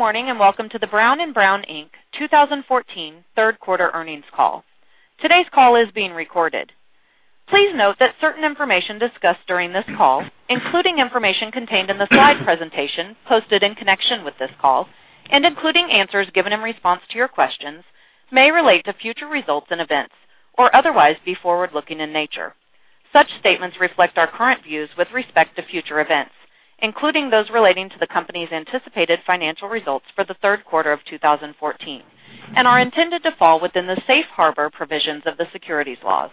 Good morning. Welcome to the Brown & Brown, Inc. 2014 third quarter earnings call. Today's call is being recorded. Please note that certain information discussed during this call, including information contained in the slide presentation posted in connection with this call and including answers given in response to your questions, may relate to future results and events or otherwise be forward-looking in nature. Such statements reflect our current views with respect to future events, including those relating to the company's anticipated financial results for the third quarter of 2014, are intended to fall within the safe harbor provisions of the securities laws.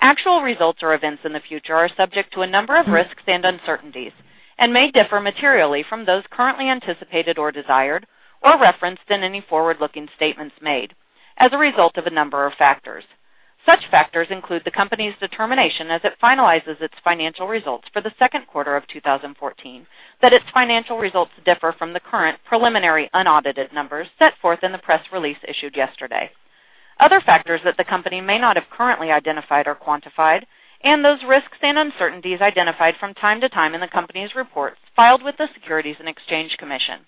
Actual results or events in the future are subject to a number of risks and uncertainties and may differ materially from those currently anticipated or desired or referenced in any forward-looking statements made as a result of a number of factors. Such factors include the company's determination as it finalizes its financial results for the second quarter of 2014, that its financial results differ from the current preliminary unaudited numbers set forth in the press release issued yesterday. Other factors that the company may not have currently identified or quantified, those risks and uncertainties identified from time to time in the company's reports filed with the Securities and Exchange Commission.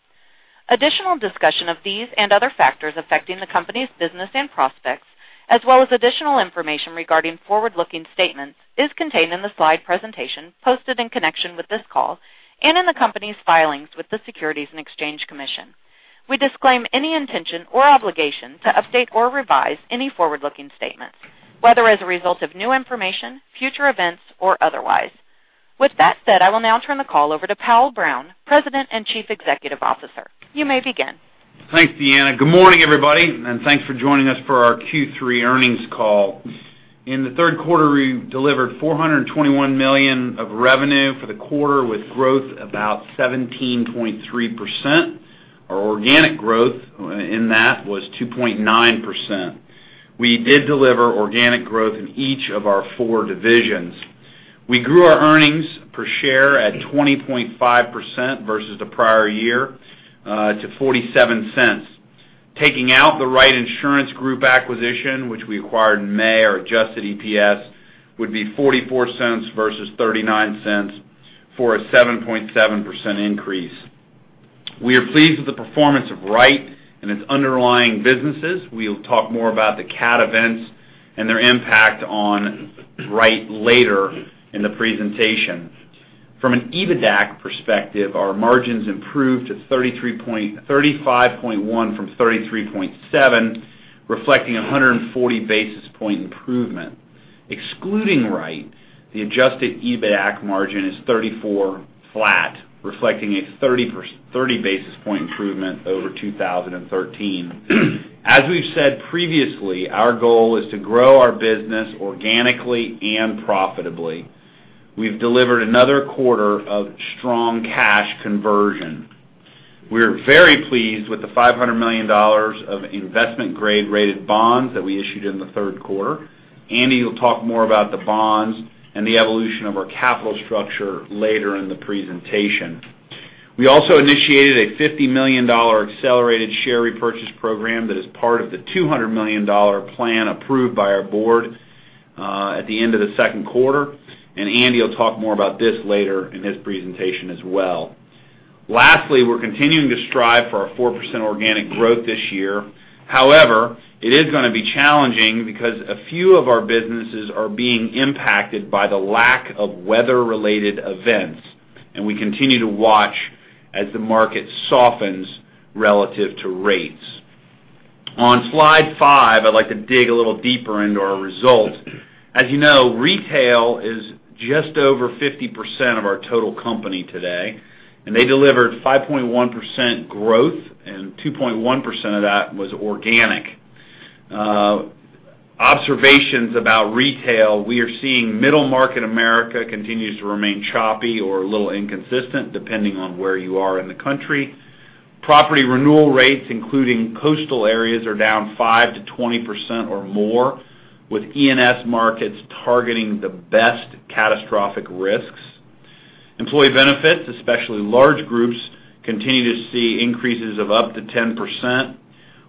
Additional discussion of these and other factors affecting the company's business and prospects, as well as additional information regarding forward-looking statements, is contained in the slide presentation posted in connection with this call and in the company's filings with the Securities and Exchange Commission. We disclaim any intention or obligation to update or revise any forward-looking statements, whether as a result of new information, future events, or otherwise. With that said, I will now turn the call over to Powell Brown, President and Chief Executive Officer. You may begin. Thanks, Deanna. Good morning, everybody. Thanks for joining us for our Q3 earnings call. In the third quarter, we delivered $421 million of revenue for the quarter with growth about 17.3%. Our organic growth in that was 2.9%. We did deliver organic growth in each of our four divisions. We grew our earnings per share at 20.5% versus the prior year to $0.47. Taking out The Wright Insurance Group acquisition, which we acquired in May, our adjusted EPS would be $0.44 versus $0.39 for a 7.7% increase. We are pleased with the performance of Wright and its underlying businesses. We'll talk more about the cat events and their impact on Wright later in the presentation. From an EBITDA perspective, our margins improved to 35.1% from 33.7%, reflecting a 140 basis point improvement. Excluding Wright, the adjusted EBITDA margin is 34%, reflecting a 30 basis points improvement over 2013. As we've said previously, our goal is to grow our business organically and profitably. We've delivered another quarter of strong cash conversion. We're very pleased with the $500 million of investment-grade rated bonds that we issued in the third quarter. Andy will talk more about the bonds and the evolution of our capital structure later in the presentation. We also initiated a $50 million accelerated share repurchase program that is part of the $200 million plan approved by our board at the end of the second quarter. Andy will talk more about this later in his presentation as well. Lastly, we're continuing to strive for a 4% organic growth this year. It is going to be challenging because a few of our businesses are being impacted by the lack of weather-related events. We continue to watch as the market softens relative to rates. On slide five, I'd like to dig a little deeper into our results. As you know, retail is just over 50% of our total company today. They delivered 5.1% growth. 2.1% of that was organic. Observations about retail. We are seeing middle market America continues to remain choppy or a little inconsistent, depending on where you are in the country. Property renewal rates, including coastal areas, are down 5%-20% or more, with E&S markets targeting the best catastrophic risks. Employee benefits, especially large groups, continue to see increases of up to 10%.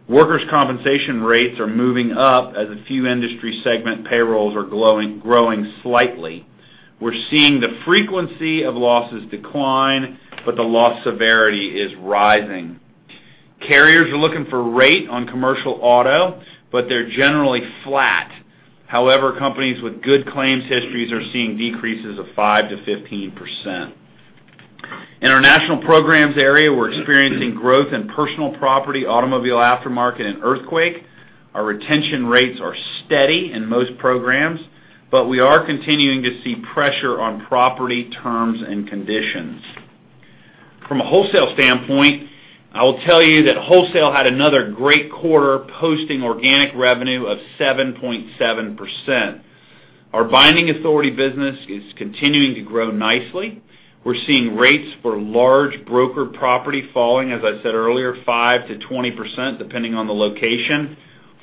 Workers' compensation rates are moving up as a few industry segment payrolls are growing slightly. We're seeing the frequency of losses decline. The loss severity is rising. Carriers are looking for rate on commercial auto. They're generally flat. Companies with good claims histories are seeing decreases of 5%-15%. In our national programs area, we're experiencing growth in personal property, automobile aftermarket, and earthquake. Our retention rates are steady in most programs. We are continuing to see pressure on property terms and conditions. From a wholesale standpoint, I will tell you that wholesale had another great quarter, posting organic revenue of 7.7%. Our binding authority business is continuing to grow nicely. We're seeing rates for large broker property falling, as I said earlier, 5%-20%, depending on the location.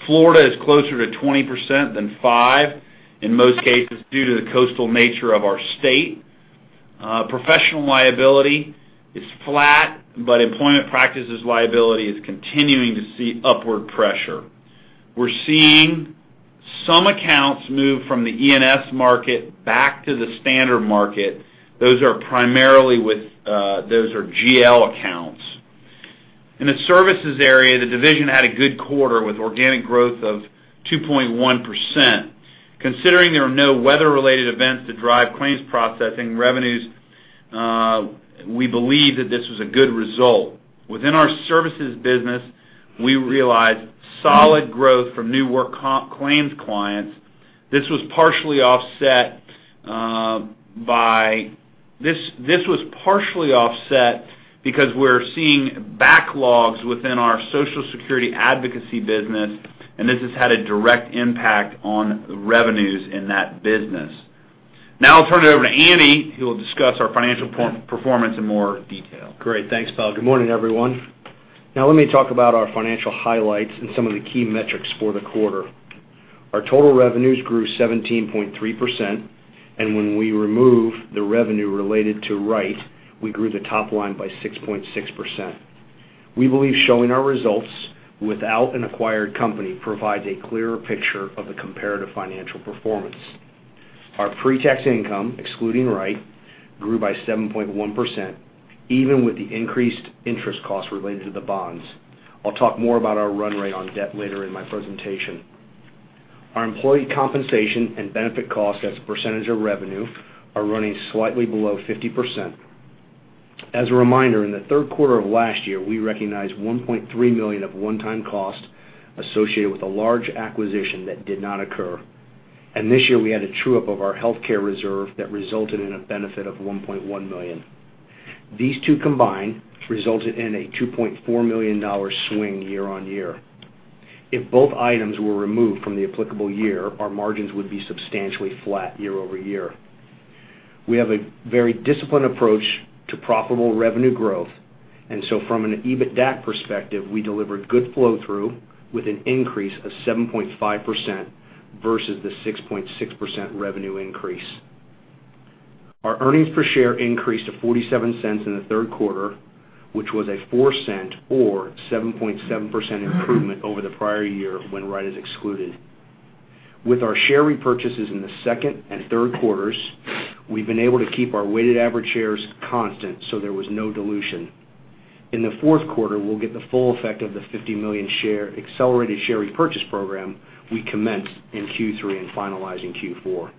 Florida is closer to 20% than 5% in most cases, due to the coastal nature of our state. Professional liability is flat. Employment practices liability is continuing to see upward pressure. We're seeing some accounts moved from the E&S market back to the standard market. Those are GL accounts. In the services area, the division had a good quarter with organic growth of 2.1%. Considering there were no weather-related events to drive claims processing revenues, we believe that this was a good result. Within our services business, we realized solid growth from new work claims clients. This was partially offset because we're seeing backlogs within our Social Security advocacy business. This has had a direct impact on revenues in that business. I'll turn it over to Andy, who will discuss our financial performance in more detail. Great. Thanks, Powell. Good morning, everyone. Let me talk about our financial highlights and some of the key metrics for the quarter. Our total revenues grew 17.3%, when we remove the revenue related to Wright, we grew the top line by 6.6%. We believe showing our results without an acquired company provides a clearer picture of the comparative financial performance. Our pre-tax income, excluding Wright, grew by 7.1%, even with the increased interest costs related to the bonds. I'll talk more about our run rate on debt later in my presentation. Our employee compensation and benefit costs as a percentage of revenue are running slightly below 50%. As a reminder, in the third quarter of last year, we recognized $1.3 million of one-time cost associated with a large acquisition that did not occur. This year, we had a true-up of our healthcare reserve that resulted in a benefit of $1.1 million. These two combined resulted in a $2.4 million swing year-over-year. If both items were removed from the applicable year, our margins would be substantially flat year-over-year. We have a very disciplined approach to profitable revenue growth, from an EBITDAC perspective, we delivered good flow-through with an increase of 7.5% versus the 6.6% revenue increase. Our earnings per share increased to $0.47 in the third quarter, which was a $0.04 or 7.7% improvement over the prior year when Wright is excluded. With our share repurchases in the second and third quarters, we've been able to keep our weighted average shares constant, there was no dilution. In the fourth quarter, we'll get the full effect of the $50 million accelerated share repurchase program we commenced in Q3 and finalized in Q4.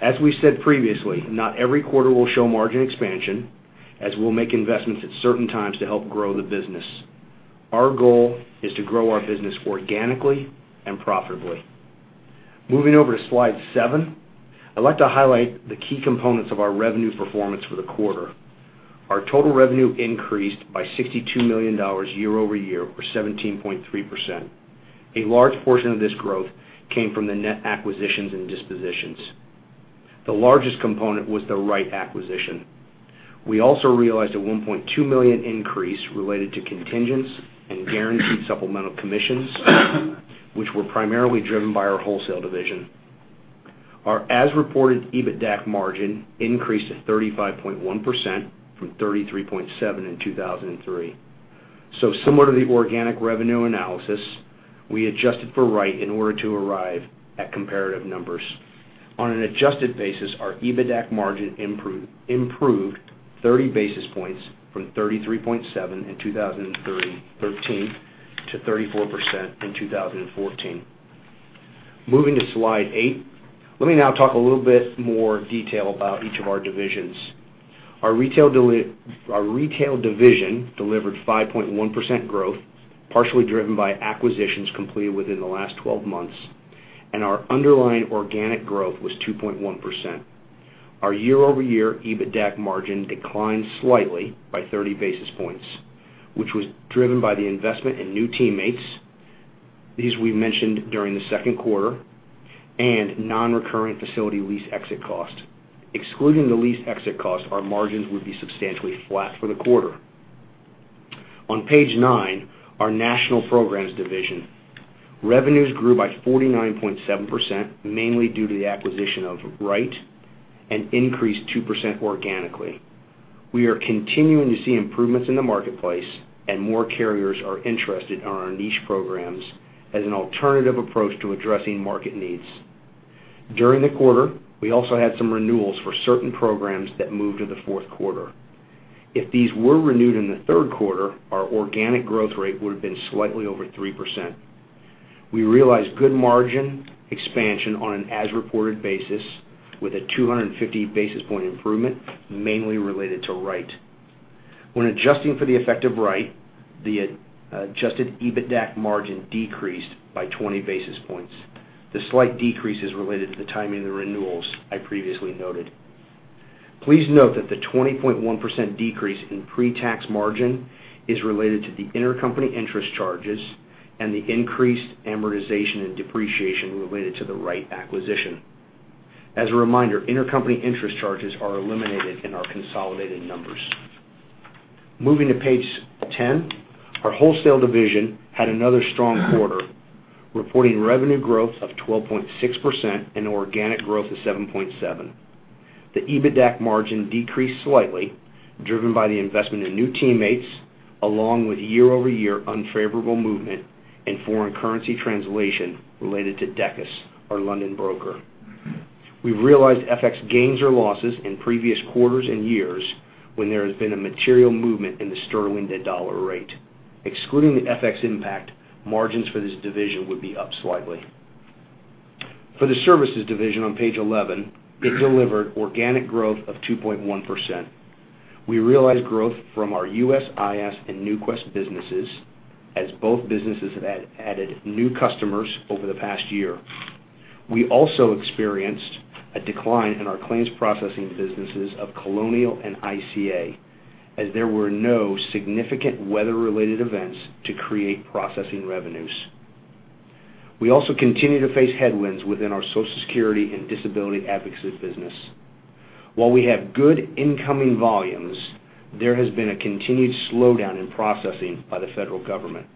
As we said previously, not every quarter will show margin expansion, as we'll make investments at certain times to help grow the business. Our goal is to grow our business organically and profitably. Moving over to slide seven, I'd like to highlight the key components of our revenue performance for the quarter. Our total revenue increased by $62 million year-over-year, or 17.3%. A large portion of this growth came from the net acquisitions and dispositions. The largest component was the Wright acquisition. We also realized a $1.2 million increase related to contingents and guaranteed supplemental commissions, which were primarily driven by our wholesale division. Our as-reported EBITDAC margin increased to 35.1% from 33.7% in 2013. Similar to the organic revenue analysis, we adjusted for Wright in order to arrive at comparative numbers. On an adjusted basis, our EBITDAC margin improved 30 basis points from 33.7% in 2013 to 34% in 2014. Moving to slide eight, let me talk a little bit more detail about each of our divisions. Our retail division delivered 5.1% growth, partially driven by acquisitions completed within the last 12 months, and our underlying organic growth was 2.1%. Our year-over-year EBITDAC margin declined slightly by 30 basis points, which was driven by the investment in new teammates, these we mentioned during the second quarter, and non-recurring facility lease exit costs. Excluding the lease exit costs, our margins would be substantially flat for the quarter. On page nine, our National Programs Division. Revenues grew by 49.7%, mainly due to the acquisition of Wright, and increased 2% organically. We are continuing to see improvements in the marketplace and more carriers are interested in our niche programs as an alternative approach to addressing market needs. During the quarter, we also had some renewals for certain programs that moved to the fourth quarter. If these were renewed in the third quarter, our organic growth rate would have been slightly over 3%. We realized good margin expansion on an as-reported basis with a 250 basis point improvement, mainly related to Wright. When adjusting for the effect of Wright, the adjusted EBITDAC margin decreased by 20 basis points. The slight decrease is related to the timing of the renewals I previously noted. Please note that the 20.1% decrease in pre-tax margin is related to the intercompany interest charges and the increased amortization and depreciation related to the Wright acquisition. As a reminder, intercompany interest charges are eliminated in our consolidated numbers. Moving to page 10, our wholesale division had another strong quarter, reporting revenue growth of 12.6% and organic growth of 7.7%. The EBITDAC margin decreased slightly, driven by the investment in new teammates, along with year-over-year unfavorable movement and foreign currency translation related to Decus, our London broker. We've realized FX gains or losses in previous quarters and years when there has been a material movement in the sterling to dollar rate. Excluding the FX impact, margins for this division would be up slightly. For the services division on page 11, it delivered organic growth of 2.1%. We realized growth from our USIS and NuQuest businesses as both businesses have added new customers over the past year. We also experienced a decline in our claims processing businesses of Colonial and ICA, as there were no significant weather-related events to create processing revenues. We also continue to face headwinds within our Social Security and disability advocacy business. While we have good incoming volumes, there has been a continued slowdown in processing by the federal government.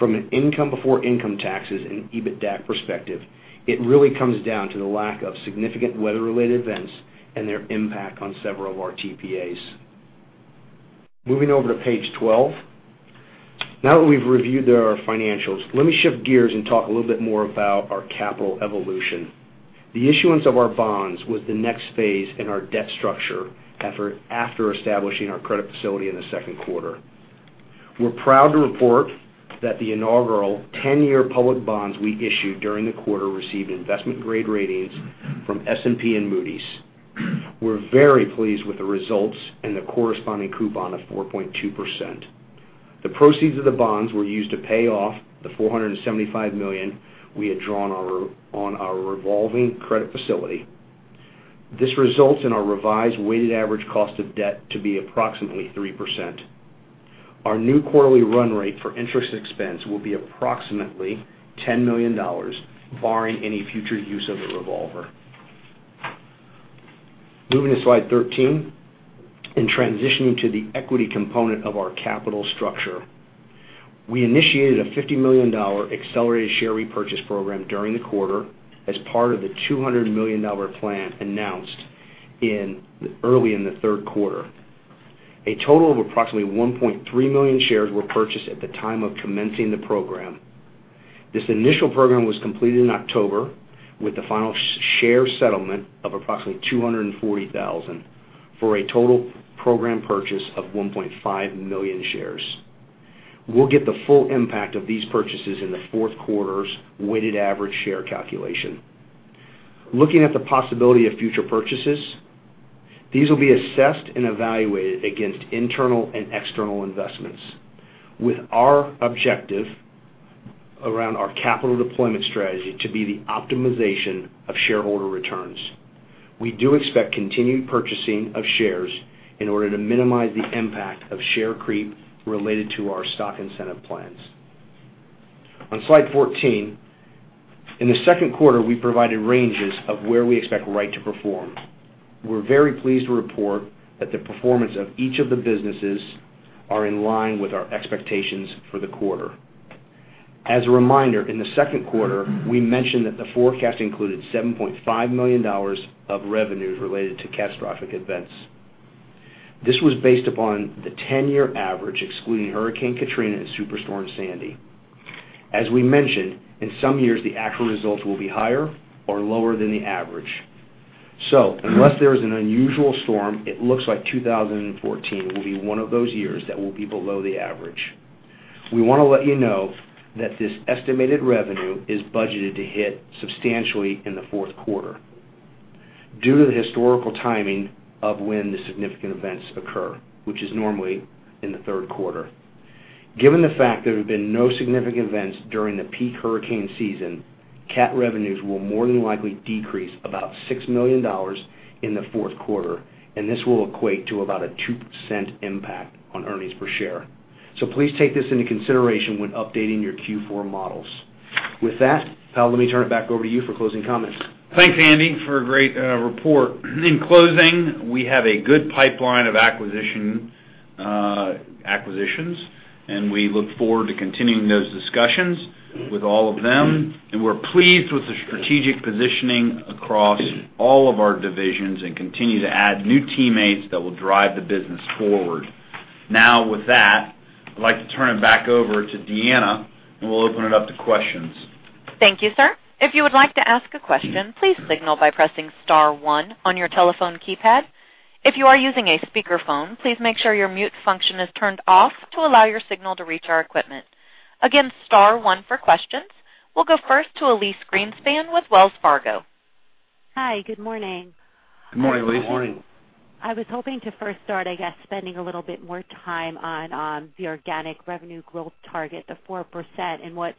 From an income before income taxes and EBITDAC perspective, it really comes down to the lack of significant weather-related events and their impact on several of our TPAs. Moving over to page 12. Now that we've reviewed our financials, let me shift gears and talk a little bit more about our capital evolution. The issuance of our bonds was the next phase in our debt structure after establishing our credit facility in the second quarter. We're proud to report that the inaugural 10-year public bonds we issued during the quarter received investment grade ratings from S&P and Moody's. We're very pleased with the results and the corresponding coupon of 4.2%. The proceeds of the bonds were used to pay off the $475 million we had drawn on our revolving credit facility. This results in our revised weighted average cost of debt to be approximately 3%. Our new quarterly run rate for interest expense will be approximately $10 million, barring any future use of the revolver. Moving to slide 13, in transitioning to the equity component of our capital structure, we initiated a $50 million accelerated share repurchase program during the quarter as part of the $200 million plan announced early in the third quarter. A total of approximately 1.3 million shares were purchased at the time of commencing the program. This initial program was completed in October with the final share settlement of approximately 240,000, for a total program purchase of 1.5 million shares. We'll get the full impact of these purchases in the fourth quarter's weighted average share calculation. Looking at the possibility of future purchases, these will be assessed and evaluated against internal and external investments. With our objective around our capital deployment strategy to be the optimization of shareholder returns, we do expect continued purchasing of shares in order to minimize the impact of share creep related to our stock incentive plans. On slide 14, in the second quarter, we provided ranges of where we expect Wright to perform. We are very pleased to report that the performance of each of the businesses are in line with our expectations for the quarter. As a reminder, in the second quarter, we mentioned that the forecast included $7.5 million of revenues related to catastrophic events. This was based upon the 10-year average, excluding Hurricane Katrina and Superstorm Sandy. As we mentioned, in some years, the actual results will be higher or lower than the average. Unless there is an unusual storm, it looks like 2014 will be one of those years that will be below the average. We want to let you know that this estimated revenue is budgeted to hit substantially in the fourth quarter due to the historical timing of when the significant events occur, which is normally in the third quarter. Given the fact there have been no significant events during the peak hurricane season, cat revenues will more than likely decrease about $6 million in the fourth quarter, and this will equate to about a 2% impact on earnings per share. Please take this into consideration when updating your Q4 models. With that, Powell, let me turn it back over to you for closing comments. Thanks, Andy, for a great report. In closing, we have a good pipeline of acquisitions, and we look forward to continuing those discussions with all of them. We are pleased with the strategic positioning across all of our divisions and continue to add new teammates that will drive the business forward. With that, I would like to turn it back over to Deanna, and we will open it up to questions. Thank you, sir. If you would like to ask a question, please signal by pressing star one on your telephone keypad. If you are using a speakerphone, please make sure your mute function is turned off to allow your signal to reach our equipment. Again, star one for questions. We will go first to Elyse Greenspan with Wells Fargo. Hi, good morning. Good morning, Elyse. I was hoping to first start, I guess, spending a little bit more time on the organic revenue growth target, the 4%, and what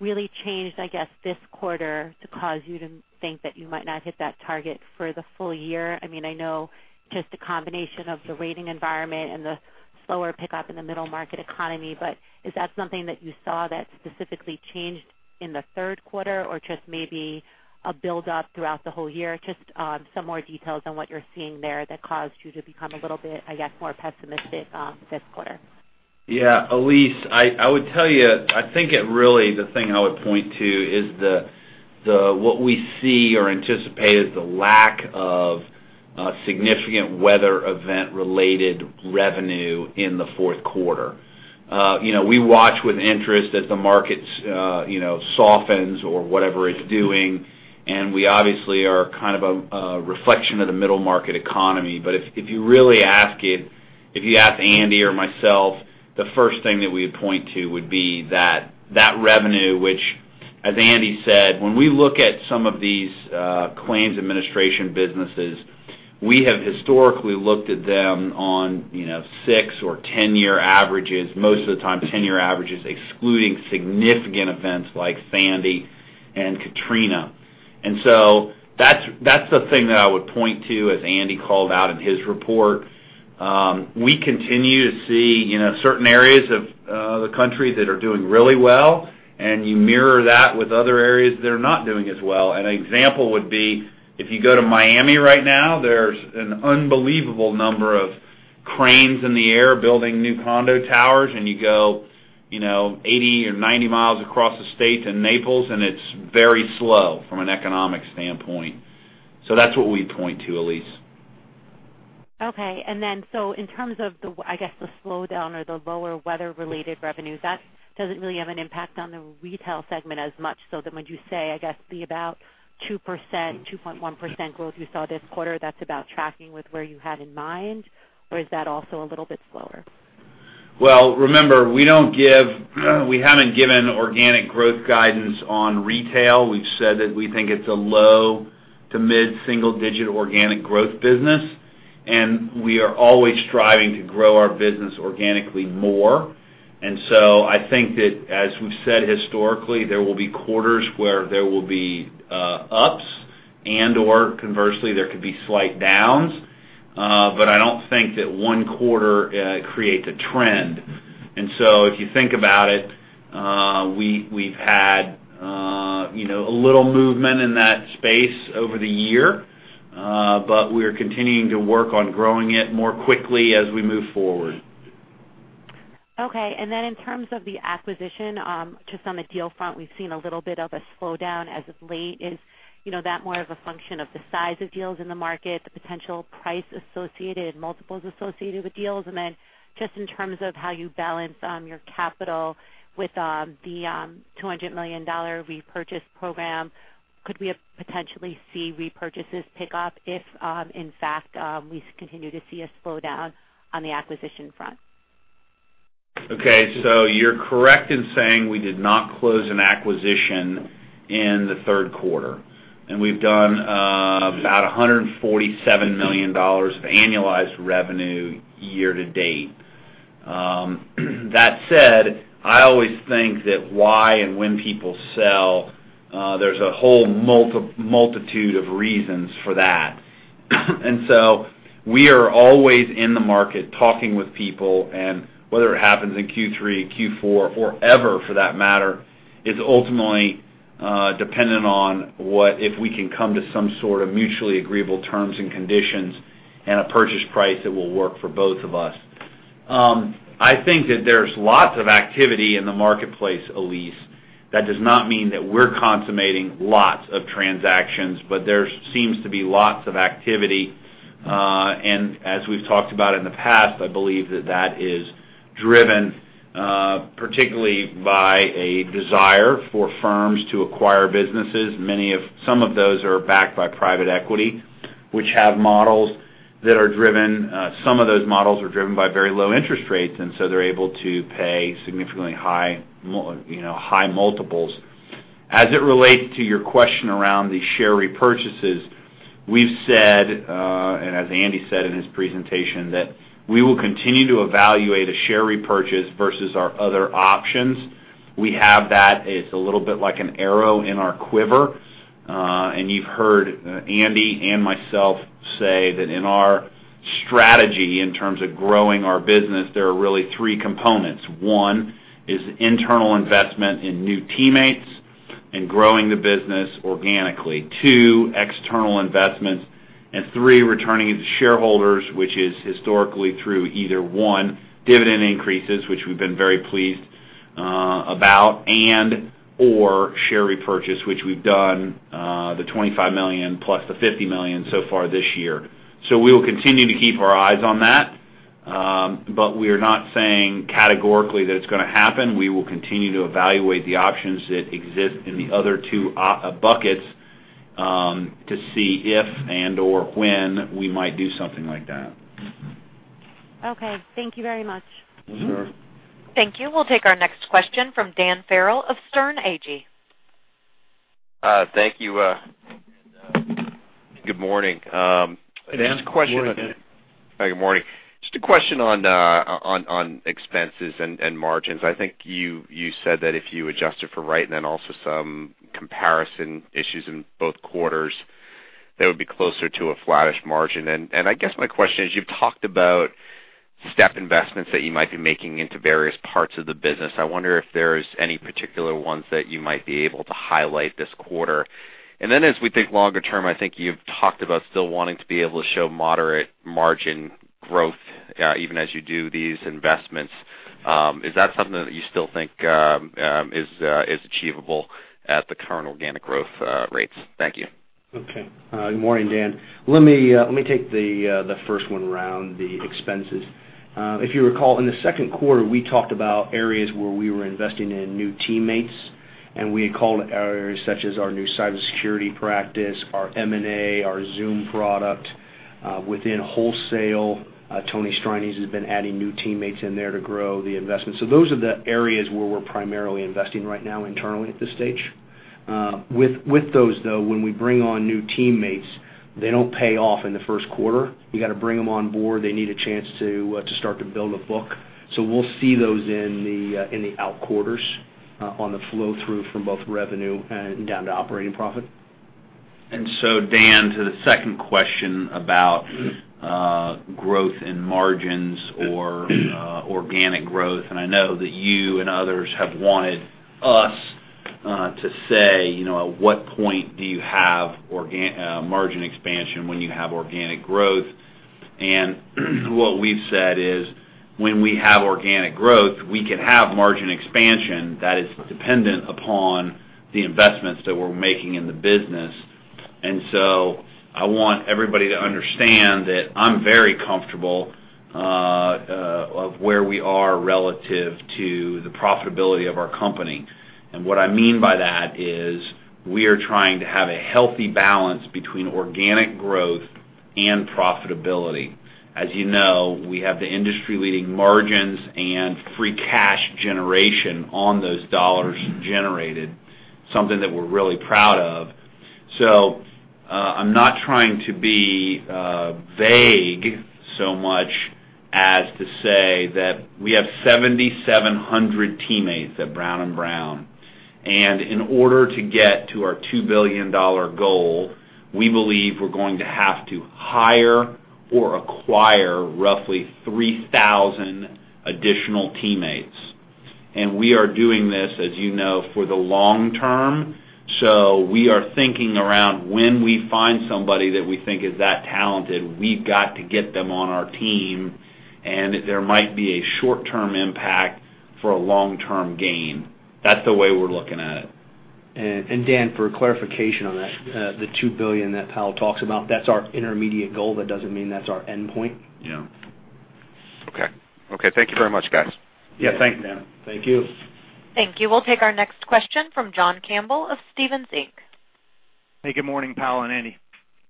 really changed, I guess, this quarter to cause you to think that you might not hit that target for the full year. I know just the combination of the rating environment and the slower pickup in the middle market economy. Is that something that you saw that specifically changed in the third quarter or just maybe a build up throughout the whole year? Just some more details on what you're seeing there that caused you to become a little bit, I guess, more pessimistic this quarter. Yeah, Elyse, I would tell you, I think the thing I would point to is what we see or anticipate is the lack of significant weather event related revenue in the fourth quarter. We watch with interest as the market softens or whatever it's doing. We obviously are a reflection of the middle market economy. If you ask Andy or myself, the first thing that we would point to would be that revenue, which, as Andy said, when we look at some of these claims administration businesses, we have historically looked at them on six or 10 year averages, most of the time 10 year averages, excluding significant events like Superstorm Sandy and Hurricane Katrina. That's the thing that I would point to, as Andy called out in his report. We continue to see certain areas of the country that are doing really well, and you mirror that with other areas that are not doing as well. An example would be, if you go to Miami right now, there's an unbelievable number of cranes in the air building new condo towers, and you go 80 or 90 miles across the state to Naples, and it's very slow from an economic standpoint. That's what we'd point to, Elyse. Okay. In terms of, I guess, the slowdown or the lower weather related revenues, that doesn't really have an impact on the retail segment as much. Would you say, I guess, the about 2%, 2.1% growth you saw this quarter, that's about tracking with where you had in mind? Or is that also a little bit slower? Well, remember, we haven't given organic growth guidance on retail. We've said that we think it's a low to mid single digit organic growth business, and we are always striving to grow our business organically more. I think that, as we've said historically, there will be quarters where there will be ups and/or conversely, there could be slight downs. I don't think that one quarter creates a trend. If you think about it, we've had a little movement in that space over the year, but we are continuing to work on growing it more quickly as we move forward. Okay. In terms of the acquisition, just on the deal front, we've seen a little bit of a slowdown as of late. Is that more of a function of the size of deals in the market, the potential price associated, multiples associated with deals? Just in terms of how you balance your capital with the $200 million repurchase program, could we potentially see repurchases pick up if, in fact, we continue to see a slowdown on the acquisition front? You're correct in saying we did not close an acquisition in the third quarter, and we've done about $147 million of annualized revenue year to date. That said, I always think that why and when people sell, there's a whole multitude of reasons for that. We are always in the market talking with people, and whether it happens in Q3, Q4, or ever for that matter, is ultimately dependent on if we can come to some sort of mutually agreeable terms and conditions and a purchase price that will work for both of us. I think that there's lots of activity in the marketplace, Elyse. That does not mean that we're consummating lots of transactions, but there seems to be lots of activity. As we've talked about in the past, I believe that that is driven particularly by a desire for firms to acquire businesses. Some of those are backed by private equity, which some of those models are driven by very low interest rates, they're able to pay significantly high multiples. As it relates to your question around the share repurchases, we've said, and as Andy said in his presentation, that we will continue to evaluate a share repurchase versus our other options. We have that. It's a little bit like an arrow in our quiver. You've heard Andy and myself say that in our strategy in terms of growing our business, there are really three components. One is internal investment in new teammates and growing the business organically. Two, external investments. Three, returning it to shareholders, which is historically through either, one, dividend increases, which we've been very pleased about, and/or share repurchase, which we've done the $25 million plus the $50 million so far this year. We will continue to keep our eyes on that. We are not saying categorically that it's going to happen. We will continue to evaluate the options that exist in the other two buckets to see if and/or when we might do something like that. Okay. Thank you very much. Sure. Thank you. We'll take our next question from Dan Farrell of Sterne Agee. Thank you. Good morning. Dan, good morning. Good morning. Just a question on expenses and margins. I think you said that if you adjusted for Wright and then also some comparison issues in both quarters, that would be closer to a flattish margin. I guess my question is, you've talked about step investments that you might be making into various parts of the business. I wonder if there's any particular ones that you might be able to highlight this quarter. Then as we think longer term, I think you've talked about still wanting to be able to show moderate margin growth even as you do these investments. Is that something that you still think is achievable at the current organic growth rates? Thank you. Okay. Good morning, Dan. Let me take the first one around the expenses. If you recall, in the second quarter, we talked about areas where we were investing in new teammates, and we had called it areas such as our new cybersecurity practice, our M&A, our Zoom product. Within wholesale, Anthony Strianese has been adding new teammates in there to grow the investment. Those are the areas where we're primarily investing right now internally at this stage. With those, though, when we bring on new teammates, they don't pay off in the first quarter. We got to bring them on board. They need a chance to start to build a book. We'll see those in the out quarters on the flow-through from both revenue and down to operating profit. Dan, to the second question about growth in margins or organic growth, and I know that you and others have wanted us to say at what point do you have margin expansion when you have organic growth? What we've said is when we have organic growth, we can have margin expansion that is dependent upon the investments that we're making in the business. I want everybody to understand that I'm very comfortable of where we are relative to the profitability of our company. What I mean by that is we are trying to have a healthy balance between organic growth and profitability. As you know, we have the industry-leading margins and free cash generation on those dollars generated, something that we're really proud of. I'm not trying to be vague so much as to say that we have 7,700 teammates at Brown & Brown, and in order to get to our $2 billion goal, we believe we're going to have to hire or acquire roughly 3,000 additional teammates. We are doing this, as you know, for the long term. We are thinking around when we find somebody that we think is that talented, we've got to get them on our team, and there might be a short-term impact for a long-term gain. That's the way we're looking at it. Dan, for clarification on that, the $2 billion that Powell talks about, that's our intermediate goal. That doesn't mean that's our endpoint. Yeah. Okay. Thank you very much, guys. Yeah. Thanks, Dan. Thank you. Thank you. We'll take our next question from John Campbell of Stephens Inc. Hey, good morning, Powell and Andy.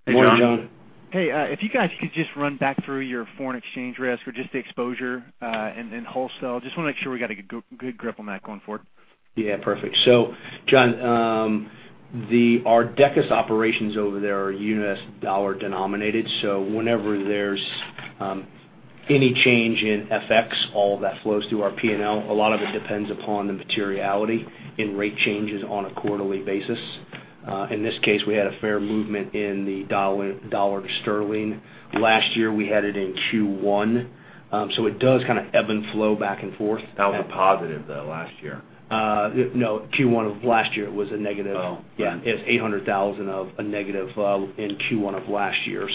Good morning, John. Hey, John. Hey, if you guys could just run back through your foreign exchange risk or just the exposure in wholesale. Just want to make sure we got a good grip on that going forward. Yeah, perfect. John, our Decus operations over there are U.S. dollar denominated. Whenever there's any change in FX, all of that flows through our P&L. A lot of it depends upon the materiality in rate changes on a quarterly basis. In this case, we had a fair movement in the dollar to sterling. Last year, we had it in Q1. It does kind of ebb and flow back and forth. That was a positive, though, last year. No, Q1 of last year was a negative. Oh, yeah. It was $800,000 of a negative in Q1 of last year.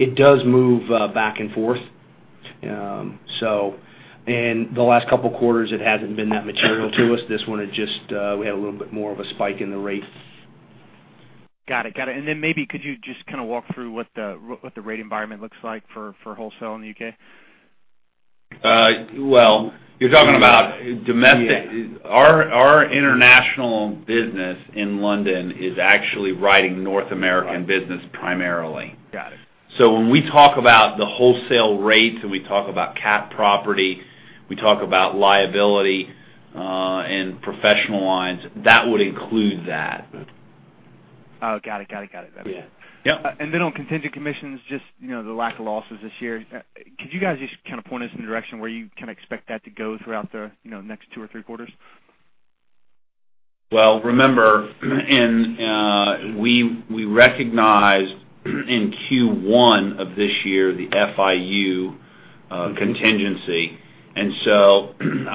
It does move back and forth. In the last couple of quarters, it hasn't been that material to us. This one, we had a little bit more of a spike in the rate. Got it. Maybe could you just walk through what the rate environment looks like for wholesale in the U.K.? Well, you're talking about Our international business in London is actually riding North American business primarily. Got it. When we talk about the wholesale rates, and we talk about cat property, we talk about liability, and professional lines, that would include that. Got it. That makes sense. Yeah. On contingent commissions, just the lack of losses this year, could you guys just kind of point us in the direction where you kind of expect that to go throughout the next two or three quarters? Remember, we recognized in Q1 of this year the FIU contingency,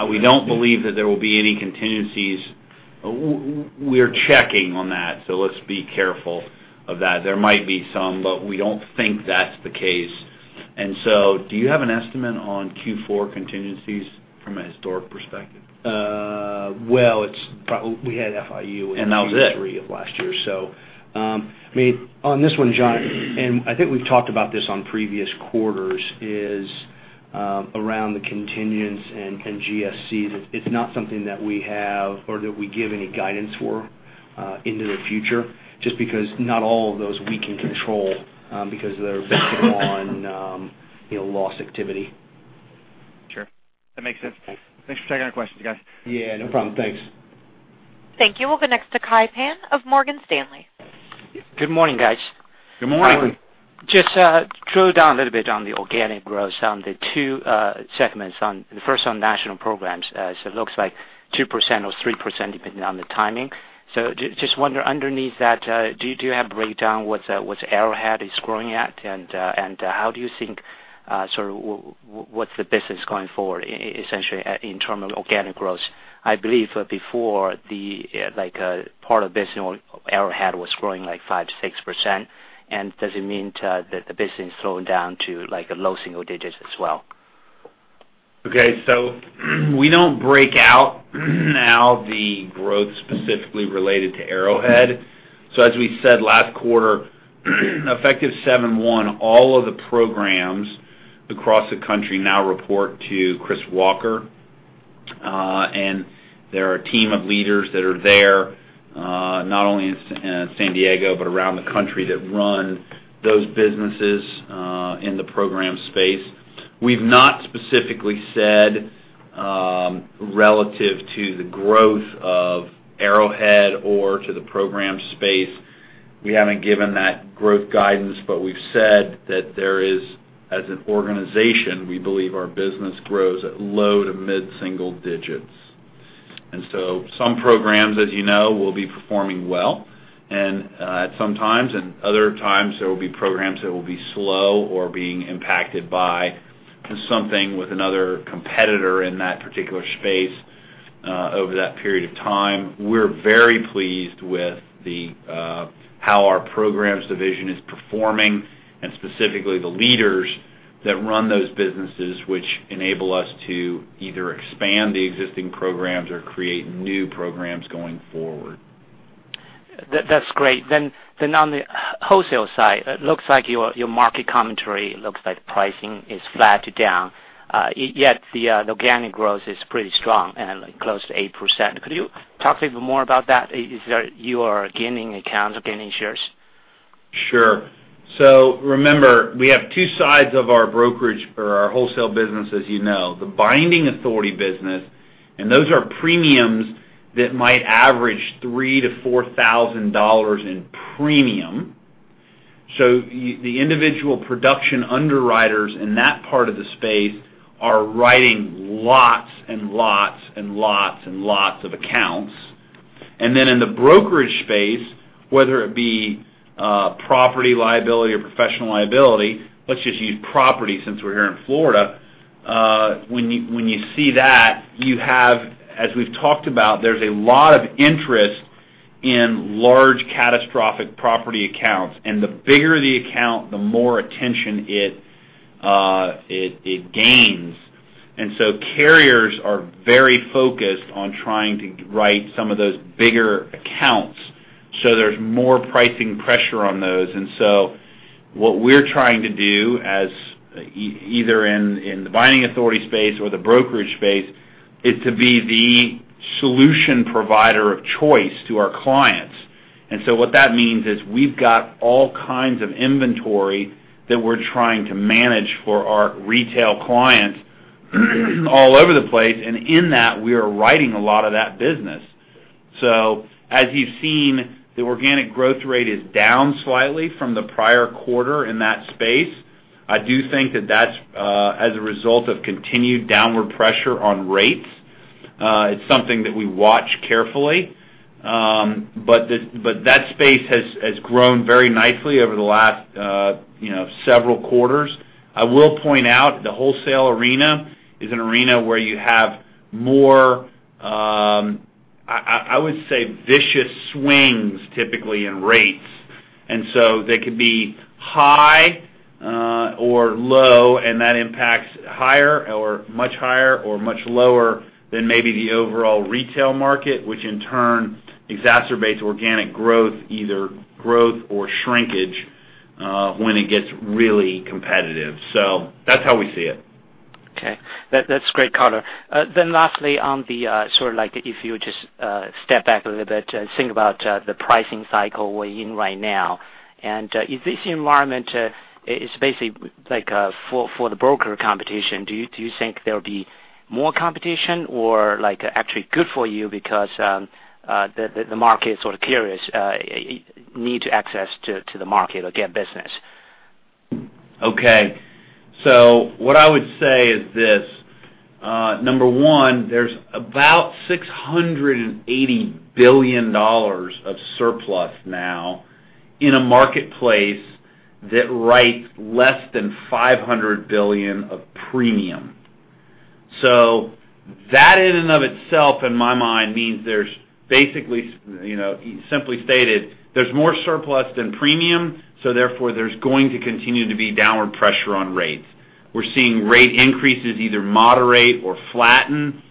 we don't believe that there will be any contingencies. We're checking on that, so let's be careful of that. There might be some, but we don't think that's the case. Do you have an estimate on Q4 contingencies from a historic perspective? Well, we had FIU in Q3. That was it. Of last year. On this one, John, and I think we've talked about this on previous quarters, is around the contingents and GSC. It's not something that we have or that we give any guidance for into the future, just because not all of those we can control because they're based on loss activity. Sure. That makes sense. Thanks for taking our questions, guys. Yeah, no problem. Thanks. Thank you. We'll go next to Kai Pan of Morgan Stanley. Good morning, guys. Good morning. Hi. Drill down a little bit on the organic growth on the two segments. First, on National Programs, it looks like 2% or 3%, depending on the timing. Just wonder underneath that, do you have a breakdown what Arrowhead is growing at? How do you think, what's the business going forward, essentially, in terms of organic growth? I believe before the part of business Arrowhead was growing like 5%-6%. Does it mean that the business is slowing down to low single digits as well? Okay. We don't break out now the growth specifically related to Arrowhead. As we said last quarter, effective 7/1, all of the programs across the country now report to Chris Walker. There are a team of leaders that are there, not only in San Diego, but around the country that run those businesses in the program space. We've not specifically said, relative to the growth of Arrowhead or to the program space. We haven't given that growth guidance, but we've said that there is, as an organization, we believe our business grows at low to mid-single digits. Some programs, as you know, will be performing well and at some times, and other times there will be programs that will be slow or being impacted by something with another competitor in that particular space, over that period of time. We're very pleased with how our Programs division is performing, and specifically the leaders that run those businesses, which enable us to either expand the existing programs or create new programs going forward. That's great. On the wholesale side, it looks like your market commentary looks like pricing is flat to down, yet the organic growth is pretty strong and close to 8%. Could you talk a little bit more about that? Is that you are gaining accounts or gaining shares? Sure. Remember, we have two sides of our brokerage or our wholesale business, as you know. The binding authority business, and those are premiums that might average $3,000 to $4,000 in premium. The individual production underwriters in that part of the space are writing lots and lots, and lots, and lots of accounts. Then in the brokerage space, whether it be property liability or professional liability, let's just use property since we're here in Florida. When you see that, you have, as we've talked about, there's a lot of interest in large catastrophic property accounts, and the bigger the account, the more attention it gains. So carriers are very focused on trying to write some of those bigger accounts, so there's more pricing pressure on those. So what we're trying to do, as either in the binding authority space or the brokerage space, is to be the solution provider of choice to our clients. So what that means is we've got all kinds of inventory that we're trying to manage for our retail clients all over the place. In that, we are writing a lot of that business. So as you've seen, the organic growth rate is down slightly from the prior quarter in that space. I do think that that's as a result of continued downward pressure on rates. It's something that we watch carefully. That space has grown very nicely over the last several quarters. I will point out, the wholesale arena is an arena where you have more, I would say, vicious swings typically in rates. So they could be high or low, and that impacts higher or much higher or much lower than maybe the overall retail market, which in turn exacerbates organic growth, either growth or shrinkage, when it gets really competitive. That's how we see it. Okay. That's a great counter. Lastly, on the sort of like if you just step back a little bit and think about the pricing cycle we're in right now, if this environment is basically for the broker competition, do you think there'll be more competition or actually good for you because the market sort of carriers need to access the market or get business? Okay. What I would say is this. Number one, there's about $680 billion of surplus now in a marketplace that writes less than $500 billion of premium. That in and of itself, in my mind, means there's basically, simply stated, there's more surplus than premium. Therefore, there's going to continue to be downward pressure on rates. We're seeing rate increases either moderate or flatten.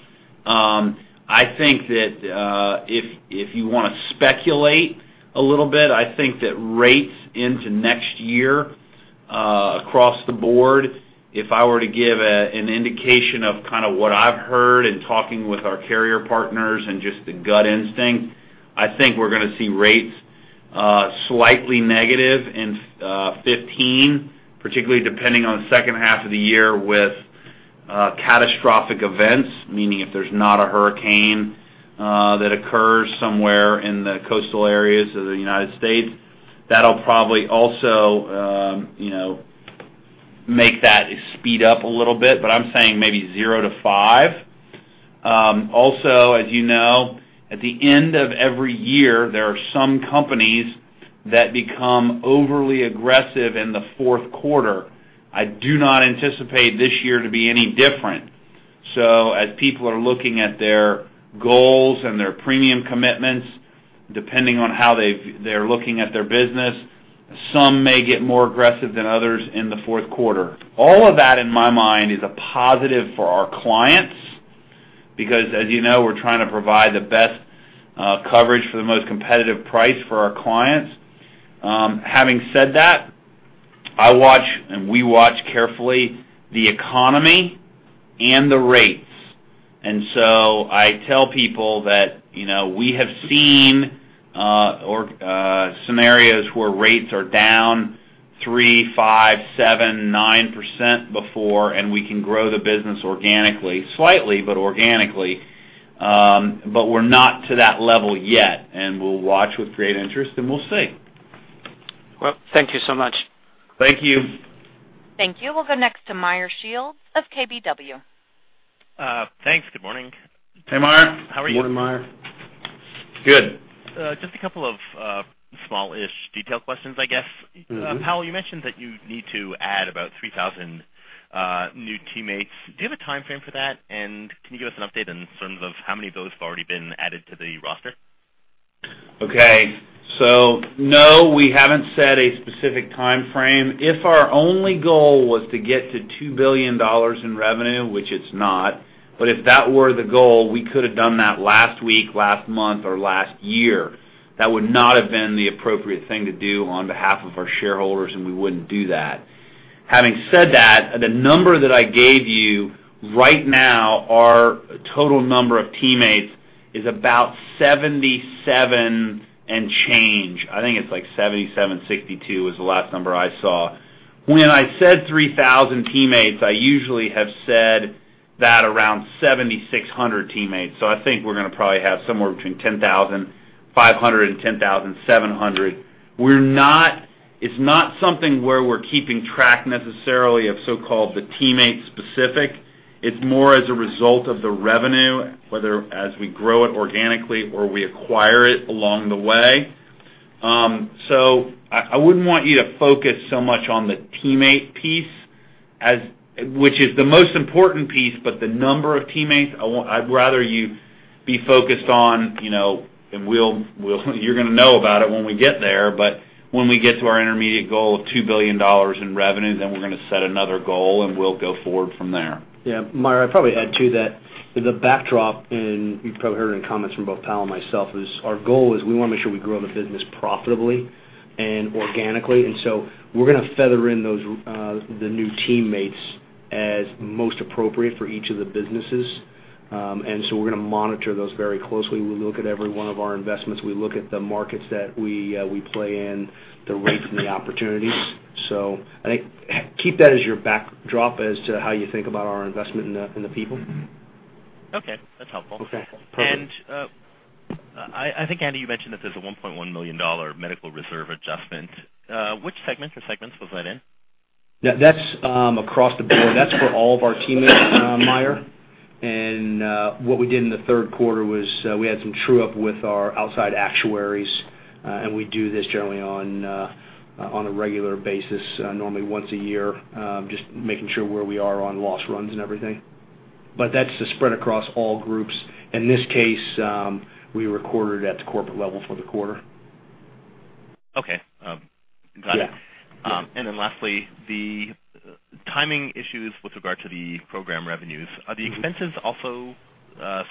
I think that if you want to speculate a little bit, I think that rates into next year, across the board, if I were to give an indication of kind of what I've heard in talking with our carrier partners and just the gut instinct, I think we're going to see rates slightly negative in 2015. Particularly depending on the second half of the year with catastrophic events, meaning if there's not a hurricane that occurs somewhere in the coastal areas of the U.S., that'll probably also make that speed up a little bit. I'm saying maybe 0%-5%. Also, as you know, at the end of every year, there are some companies that become overly aggressive in the fourth quarter. I do not anticipate this year to be any different. As people are looking at their goals and their premium commitments. Depending on how they're looking at their business, some may get more aggressive than others in the fourth quarter. All of that, in my mind, is a positive for our clients, because as you know, we're trying to provide the best coverage for the most competitive price for our clients. Having said that, I watch, and we watch carefully, the economy and the rates. I tell people that we have seen scenarios where rates are down 3%, 5%, 7%, 9% before, and we can grow the business organically. Slightly, but organically. We're not to that level yet, and we'll watch with great interest, and we'll see. Thank you so much. Thank you. Thank you. We'll go next to Meyer Shields of KBW. Thanks. Good morning. Hey, Meyer. How are you? Morning, Meyer. Good. Just a couple of smallish detail questions, I guess. Powell, you mentioned that you need to add about 3,000 new teammates. Do you have a timeframe for that? Can you give us an update in terms of how many of those have already been added to the roster? Okay. No, we haven't set a specific timeframe. If our only goal was to get to $2 billion in revenue, which it's not, but if that were the goal, we could've done that last week, last month, or last year. That would not have been the appropriate thing to do on behalf of our shareholders, and we wouldn't do that. Having said that, the number that I gave you, right now, our total number of teammates is about 77 and change. I think it's like 7,762 was the last number I saw. When I said 3,000 teammates, I usually have said that around 7,600 teammates. I think we're going to probably have somewhere between 10,500 and 10,700. It's not something where we're keeping track necessarily of so-called the teammate specific. It's more as a result of the revenue, whether as we grow it organically or we acquire it along the way. I wouldn't want you to focus so much on the teammate piece, which is the most important piece, but the number of teammates, I'd rather you be focused on, and you're going to know about it when we get there, but when we get to our intermediate goal of $2 billion in revenue, we're going to set another goal, and we'll go forward from there. Yeah. Meyer, I'd probably add to that. The backdrop, and you've probably heard it in comments from both Powell and myself, is our goal is we want to make sure we grow the business profitably and organically. We're going to feather in the new teammates as most appropriate for each of the businesses. We're going to monitor those very closely. We look at every one of our investments. We look at the markets that we play in, the rates, and the opportunities. I think keep that as your backdrop as to how you think about our investment in the people. Okay. That's helpful. Okay, perfect. I think, Andy, you mentioned that there's a $1.1 million medical reserve adjustment. Which segment or segments was that in? Yeah. That's across the board. That's for all of our teammates, Meyer. What we did in the third quarter was we had some true-up with our outside actuaries, and we do this generally on a regular basis, normally once a year, just making sure where we are on loss runs and everything. That's spread across all groups. In this case, we recorded at the corporate level for the quarter. Okay. Got it. Yeah. Lastly, the timing issues with regard to the program revenues. Are the expenses also, I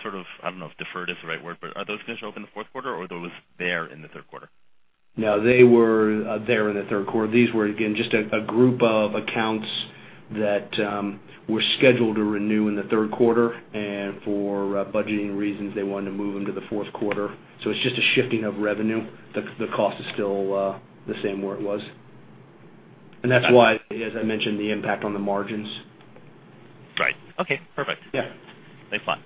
don't know if deferred is the right word, but are those going to show up in the fourth quarter, or are those there in the third quarter? No, they were there in the third quarter. These were, again, just a group of accounts that were scheduled to renew in the third quarter, and for budgeting reasons, they wanted to move them to the fourth quarter. It's just a shifting of revenue. The cost is still the same where it was. That's why, as I mentioned, the impact on the margins. Right. Okay, perfect. Yeah. Thanks, Powell.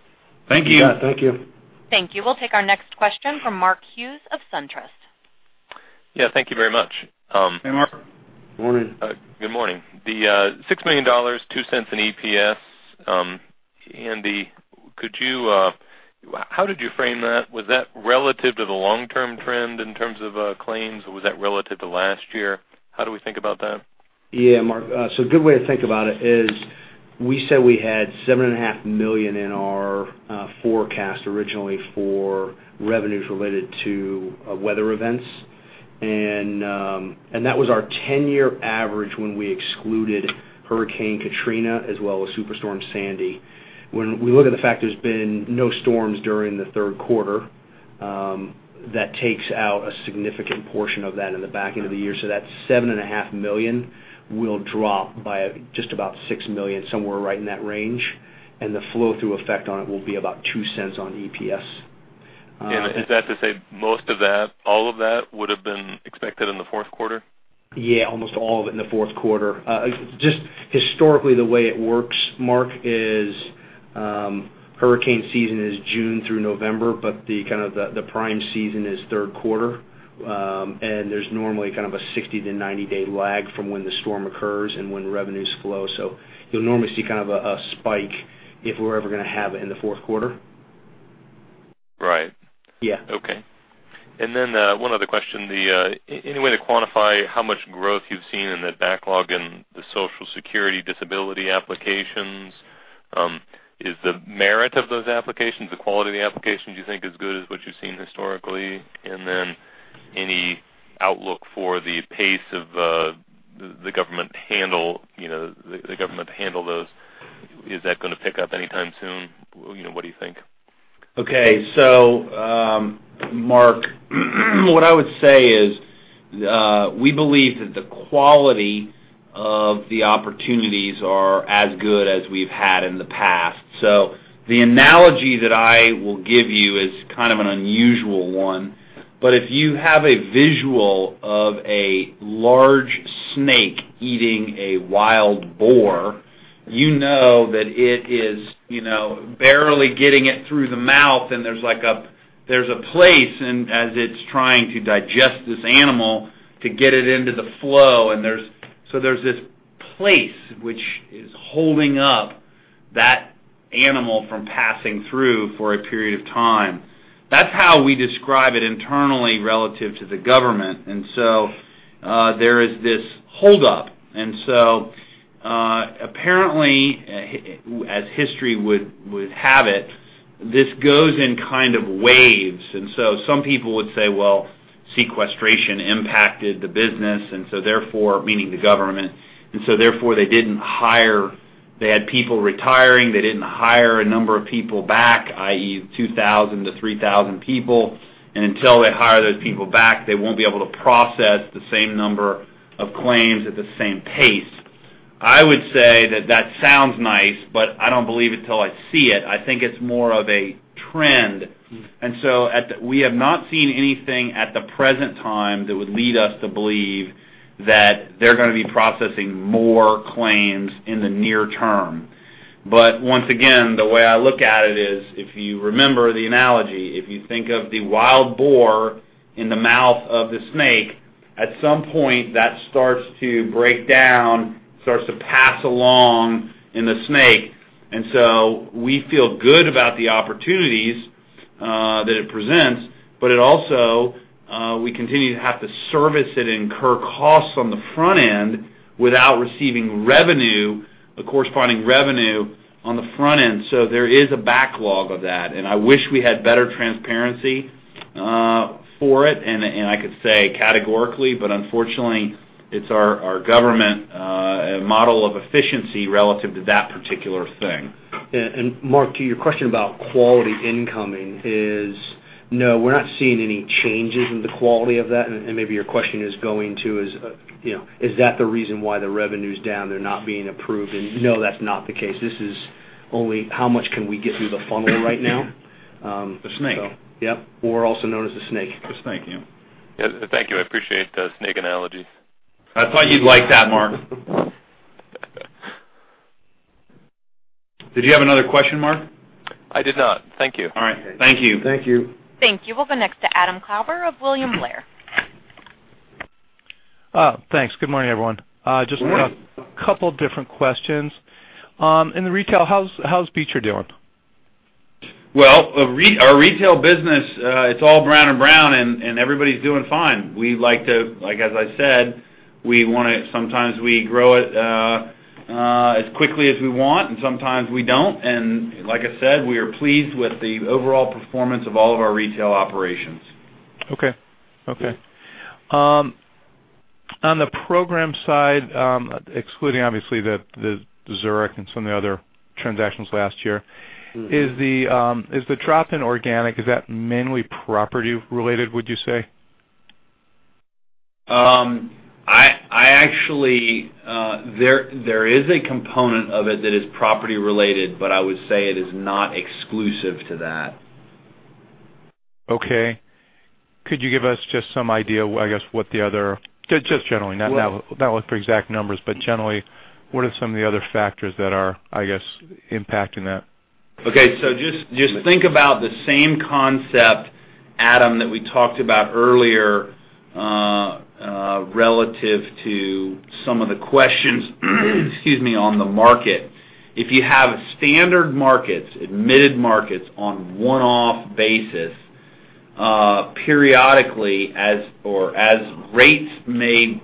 Thank you. You bet. Thank you. Thank you. We'll take our next question from Mark Hughes of SunTrust. Yeah, thank you very much. Hey, Mark. Morning. Good morning. The $6 million, $0.02 in EPS. Andy, how did you frame that? Was that relative to the long-term trend in terms of claims, or was that relative to last year? How do we think about that? Yeah, Mark. A good way to think about it is we said we had $7.5 million in our forecast originally for revenues related to weather events. That was our 10-year average when we excluded Hurricane Katrina as well as Superstorm Sandy. When we look at the fact there's been no storms during the third quarter, that takes out a significant portion of that in the back end of the year. That $7.5 million will drop by just about $6 million, somewhere right in that range, and the flow-through effect on it will be about $0.02 on EPS. Is that to say most of that, all of that would've been expected in the fourth quarter? Yeah, almost all of it in the fourth quarter. Just historically, the way it works, Mark, is hurricane season is June through November, but the prime season is the third quarter. There's normally a 60 to 90-day lag from when the storm occurs and when revenues flow. You'll normally see a spike if we're ever going to have it in the fourth quarter. Right. Yeah. Okay. Then one other question. Any way to quantify how much growth you've seen in the backlog in the Social Security disability applications? Is the merit of those applications, the quality of the applications, do you think, as good as what you've seen historically? Then any outlook for the pace of the government handle those. Is that going to pick up anytime soon? What do you think? Okay. Mark, what I would say is, we believe that the quality of the opportunities are as good as we've had in the past. The analogy that I will give you is kind of an unusual one. If you have a visual of a large snake eating a wild boar, you know that it is barely getting it through the mouth, and there's a place as it's trying to digest this animal to get it into the flow. There's this place which is holding up that animal from passing through for a period of time. That's how we describe it internally relative to the government. There is this hold up. Apparently, as history would have it, this goes in kind of waves. Some people would say, "Well, sequestration impacted the business, meaning the government, they had people retiring, they didn't hire a number of people back, i.e., 2,000 to 3,000 people. Until they hire those people back, they won't be able to process the same number of claims at the same pace." I would say that that sounds nice, but I don't believe it till I see it. I think it's more of a trend. We have not seen anything at the present time that would lead us to believe that they're going to be processing more claims in the near term. Once again, the way I look at it is, if you remember the analogy, if you think of the wild boar in the mouth of the snake, at some point that starts to break down, starts to pass along in the snake. We feel good about the opportunities that it presents, but it also, we continue to have to service it and incur costs on the front end without receiving revenue, the corresponding revenue, on the front end. There is a backlog of that, and I wish we had better transparency for it, and I could say categorically, but unfortunately, it's our government model of efficiency relative to that particular thing. Mark, to your question about quality incoming is, no, we're not seeing any changes in the quality of that. Maybe your question is going to is that the reason why the revenue's down, they're not being approved? No, that's not the case. This is only how much can we get through the funnel right now. The snake. Yep. Or also known as the snake. The snake, yeah. Thank you. I appreciate the snake analogy. I thought you'd like that, Mark. Did you have another question, Mark? I did not. Thank you. All right. Thank you. Thank you. Thank you. We'll go next to Adam Klauber of William Blair. Thanks. Good morning, everyone. Good morning. Just a couple different questions. In the retail, how's Beecher doing? Well, our retail business, it's all Brown & Brown, and everybody's doing fine. As I said, sometimes we grow it as quickly as we want, and sometimes we don't. Like I said, we are pleased with the overall performance of all of our retail operations. Okay. On the program side, excluding obviously the Zurich and some of the other transactions last year, is the drop in organic, is that mainly property related, would you say? Actually, there is a component of it that is property related, but I would say it is not exclusive to that. Okay. Could you give us just some idea, I guess, Just generally, not look for exact numbers, but generally, what are some of the other factors that are, I guess, impacting that? Okay. Just think about the same concept, Adam, that we talked about earlier, relative to some of the questions on the market. If you have standard markets, admitted markets on one-off basis, periodically as rates may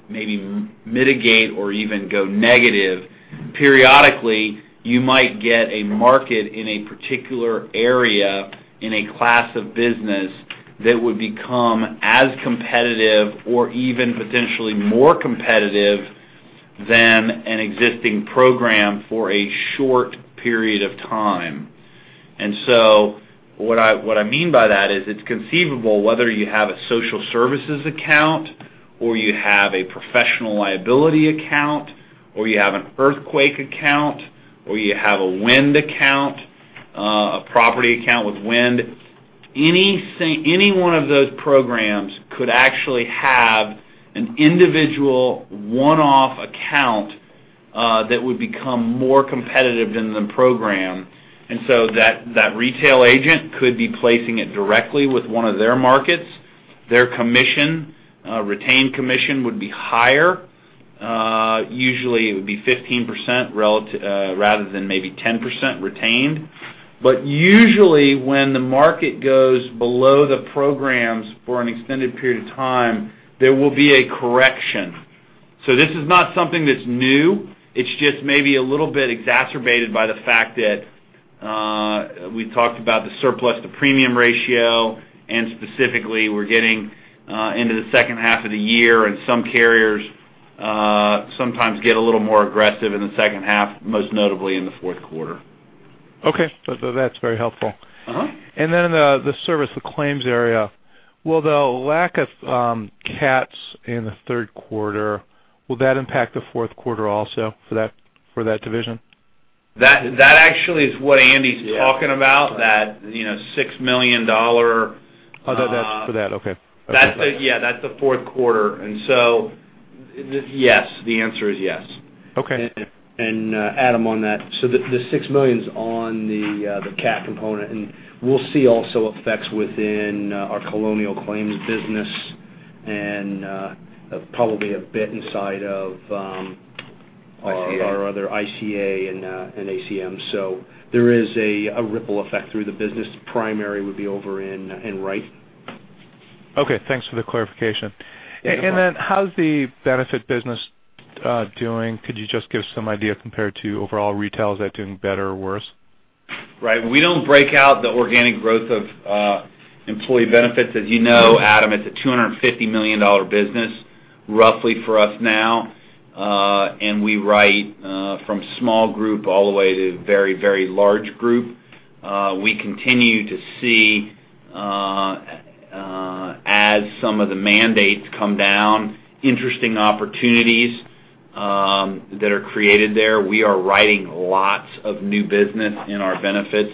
mitigate or even go negative periodically, you might get a market in a particular area in a class of business that would become as competitive or even potentially more competitive than an existing program for a short period of time. What I mean by that is it's conceivable whether you have a social services account or you have a professional liability account or you have an earthquake account or you have a wind account, a property account with wind. Any one of those programs could actually have an individual one-off account that would become more competitive than the program. That retail agent could be placing it directly with one of their markets. Their commission, retained commission, would be higher. Usually, it would be 15% rather than maybe 10% retained. Usually, when the market goes below the programs for an extended period of time, there will be a correction. This is not something that's new. It's just maybe a little bit exacerbated by the fact that we talked about the surplus to premium ratio, we're getting into the second half of the year, and some carriers sometimes get a little more aggressive in the second half, most notably in the fourth quarter. Okay. That's very helpful. The service, the claims area, will the lack of CATs in the third quarter, will that impact the fourth quarter also for that division? That actually is what Andy's talking about, that $6 million- Oh, that's for that, okay. Yeah, that's the fourth quarter. Yes. The answer is yes. Okay. Adam, on that, the $6 million is on the CAT component. We'll see also effects within our Colonial Claims business and probably a bit inside of- ICA our other ICA and ACM. There is a ripple effect through the business. Primary would be over in Wright. Okay, thanks for the clarification. Yeah, no problem. Then how is the benefit business doing? Could you just give some idea compared to overall Retail? Is that doing better or worse? Right. We don't break out the organic growth of employee benefits. As you know, Adam, it's a $250 million business roughly for us now. We write from small group all the way to very large group. We continue to see, as some of the mandates come down, interesting opportunities that are created there. We are writing lots of new business in our benefits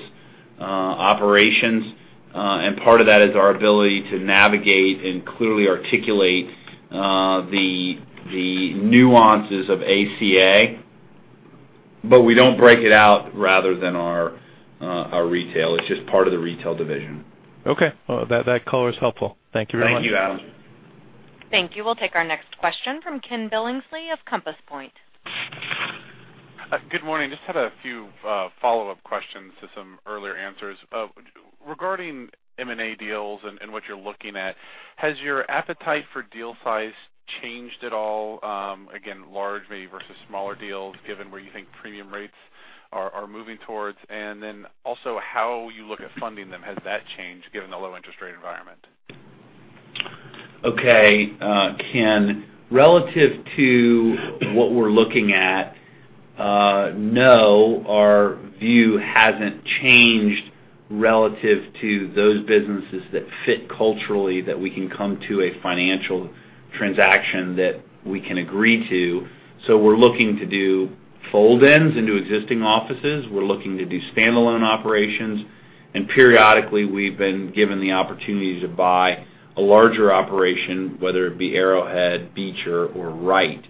operations. Part of that is our ability to navigate and clearly articulate the nuances of ACA. We don't break it out rather than our Retail. It's just part of the Retail Division. Okay. Well, that color is helpful. Thank you very much. Thank you, Adam. Thank you. We'll take our next question from Ken Billingsley of Compass Point. Good morning. Just had a few follow-up questions to some earlier answers. Regarding M&A deals and what you're looking at, has your appetite for deal size changed at all, again, large maybe versus smaller deals, given where you think premium rates are moving towards? Also how you look at funding them, has that changed given the low interest rate environment? Okay. Ken, relative to what we're looking at, no, our view hasn't changed relative to those businesses that fit culturally that we can come to a financial transaction that we can agree to. We're looking to do fold-ins into existing offices. We're looking to do standalone operations. Periodically, we've been given the opportunity to buy a larger operation, whether it be Arrowhead, Beecher, or Wright.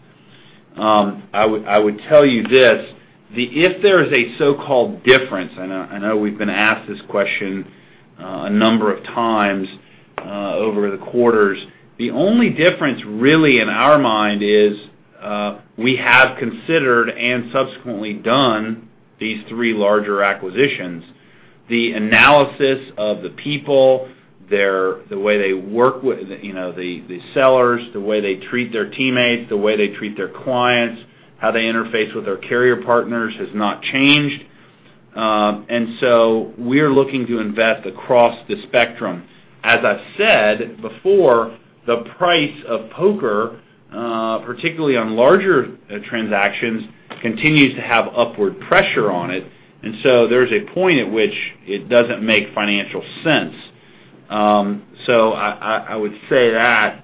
I would tell you this, if there is a so-called difference, I know we've been asked this question a number of times over the quarters, the only difference really in our mind is we have considered and subsequently done these three larger acquisitions. The analysis of the people, the way they work with the sellers, the way they treat their teammates, the way they treat their clients, how they interface with our carrier partners has not changed. We are looking to invest across the spectrum. As I've said before, the price of poker, particularly on larger transactions, continues to have upward pressure on it. There's a point at which it doesn't make financial sense. I would say that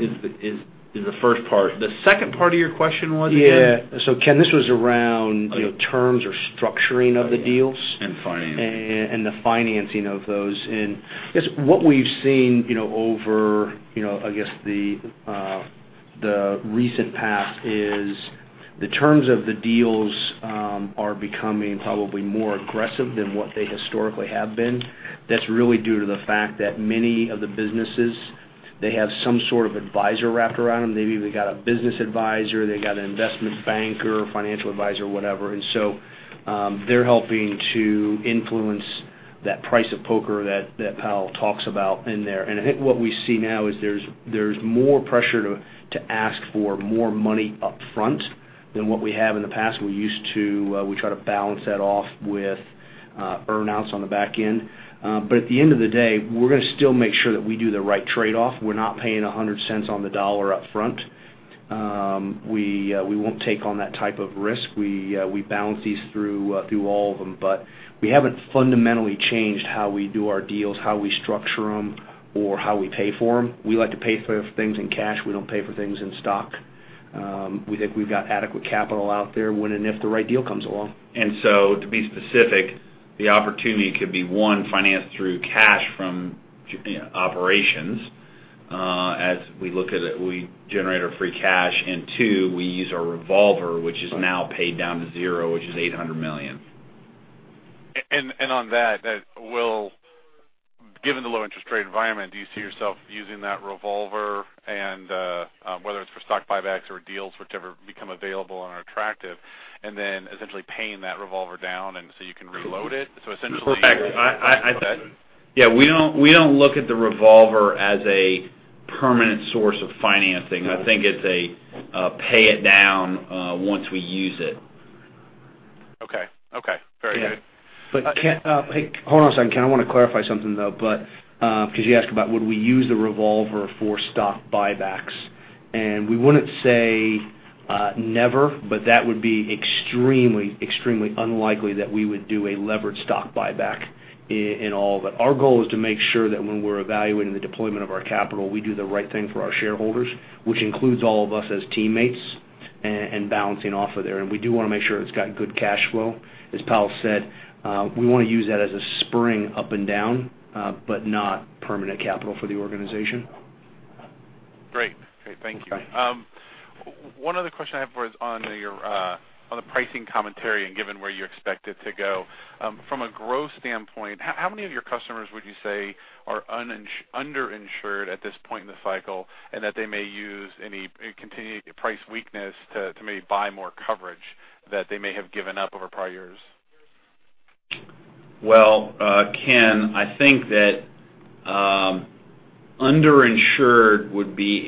is the first part. The second part of your question was again? Yeah. Ken, this was around terms or structuring of the deals. Financing. The financing of those. I guess what we've seen over the recent past is the terms of the deals are becoming probably more aggressive than what they historically have been. That's really due to the fact that many of the businesses, they have some sort of advisor wrapped around them. They've either got a business advisor, they've got an investment banker or financial advisor, whatever. They're helping to influence that price of poker that Powell talks about in there. I think what we see now is there's more pressure to ask for more money up front than what we have in the past. We try to balance that off with earn-outs on the back end. At the end of the day, we're going to still make sure that we do the right trade-off. We're not paying $1.00 on the dollar up front. We won't take on that type of risk. We balance these through all of them. We haven't fundamentally changed how we do our deals, how we structure them, or how we pay for them. We like to pay for things in cash. We don't pay for things in stock. We think we've got adequate capital out there when and if the right deal comes along. To be specific, the opportunity could be, one, financed through cash from operations as we look at it, we generate our free cash. Two, we use our revolver, which is now paid down to zero, which is $800 million. On that, given the low interest rate environment, do you see yourself using that revolver and whether it's for stock buybacks or deals, whichever become available and are attractive, then essentially paying that revolver down so you can reload it? Yeah, we don't look at the revolver as a permanent source of financing. I think it's a pay it down once we use it. Okay. Very good. Ken, hold on a second. Ken, I want to clarify something, though. You asked about would we use the revolver for stock buybacks. We wouldn't say never, but that would be extremely unlikely that we would do a levered stock buyback in all of it. Our goal is to make sure that when we're evaluating the deployment of our capital, we do the right thing for our shareholders, which includes all of us as teammates and balancing off of there. We do want to make sure it's got good cash flow. As Powell said, we want to use that as a spring up and down but not permanent capital for the organization. Great. Thank you. Okay. One other question I have is on the pricing commentary and given where you expect it to go. From a growth standpoint, how many of your customers would you say are under-insured at this point in the cycle, and that they may use any continued price weakness to maybe buy more coverage that they may have given up over prior years? Well, Ken, I think that under-insured would be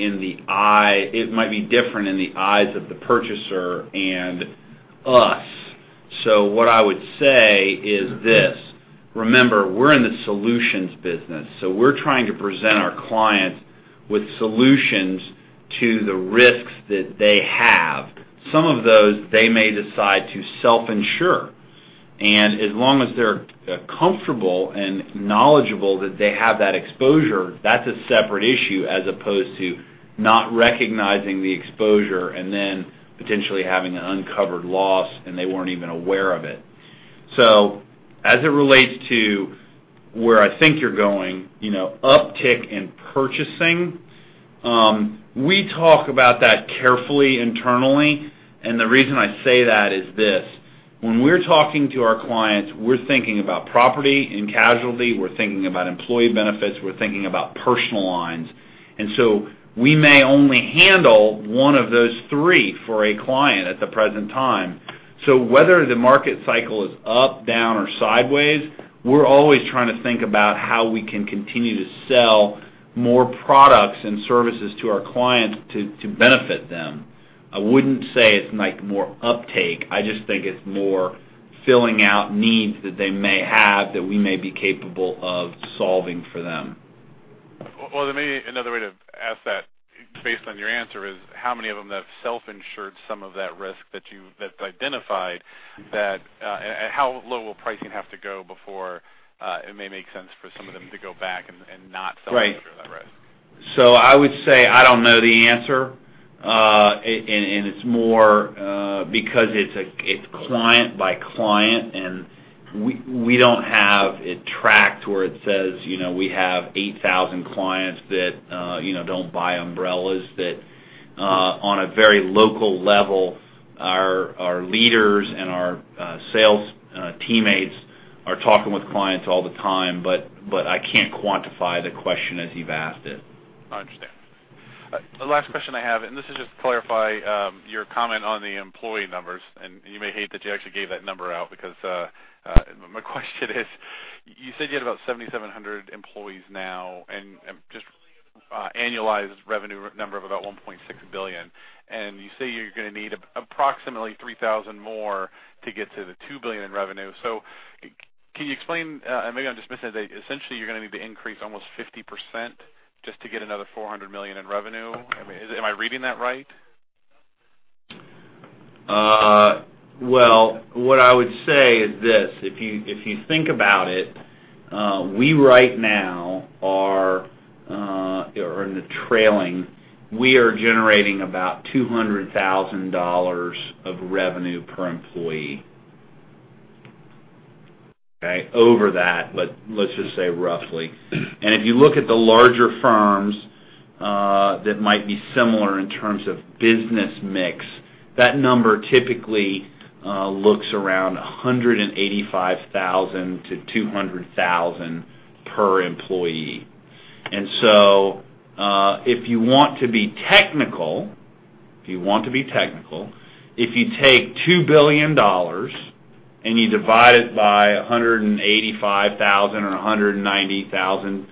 it might be different in the eyes of the purchaser and us. What I would say is this. Remember, we're in the solutions business, we're trying to present our clients with solutions to the risks that they have. Some of those they may decide to self-insure. As long as they're comfortable and knowledgeable that they have that exposure, that's a separate issue as opposed to not recognizing the exposure and then potentially having an uncovered loss, and they weren't even aware of it. As it relates to where I think you're going, uptick in purchasing, we talk about that carefully internally, the reason I say that is this. When we're talking to our clients, we're thinking about property and casualty, we're thinking about employee benefits, we're thinking about personal lines. We may only handle one of those three for a client at the present time. Whether the market cycle is up, down, or sideways, we're always trying to think about how we can continue to sell more products and services to our clients to benefit them. I wouldn't say it's more uptake. I just think it's more filling out needs that they may have that we may be capable of solving for them. Well, maybe another way to ask that, based on your answer, is how many of them have self-insured some of that risk that identified that how low will pricing have to go before it may make sense for some of them to go back and not self-insure that risk? I would say, I don't know the answer. It's more because it's client by client, and we don't have it tracked where it says we have 8,000 clients that don't buy umbrellas. On a very local level, our leaders and our sales teammates are talking with clients all the time, but I can't quantify the question as you've asked it. I understand. The last question I have, this is just to clarify your comment on the employee numbers. You may hate that you actually gave that number out because my question is, you said you had about 7,700 employees now and just annualized revenue number of about $1.6 billion, and you say you're going to need approximately 3,000 more to get to the $2 billion in revenue. Can you explain, maybe I'm just misunderstanding, essentially, you're going to need to increase almost 50% just to get another $400 million in revenue? I mean, am I reading that right? Well, what I would say is this. If you think about it, we right now are in the trailing. We are generating about $200,000 of revenue per employee. Okay? Over that, but let's just say roughly. If you look at the larger firms that might be similar in terms of business mix, that number typically looks around 185,000 to 200,000 per employee. If you want to be technical, if you take $2 billion and you divide it by 185,000 or 190,000,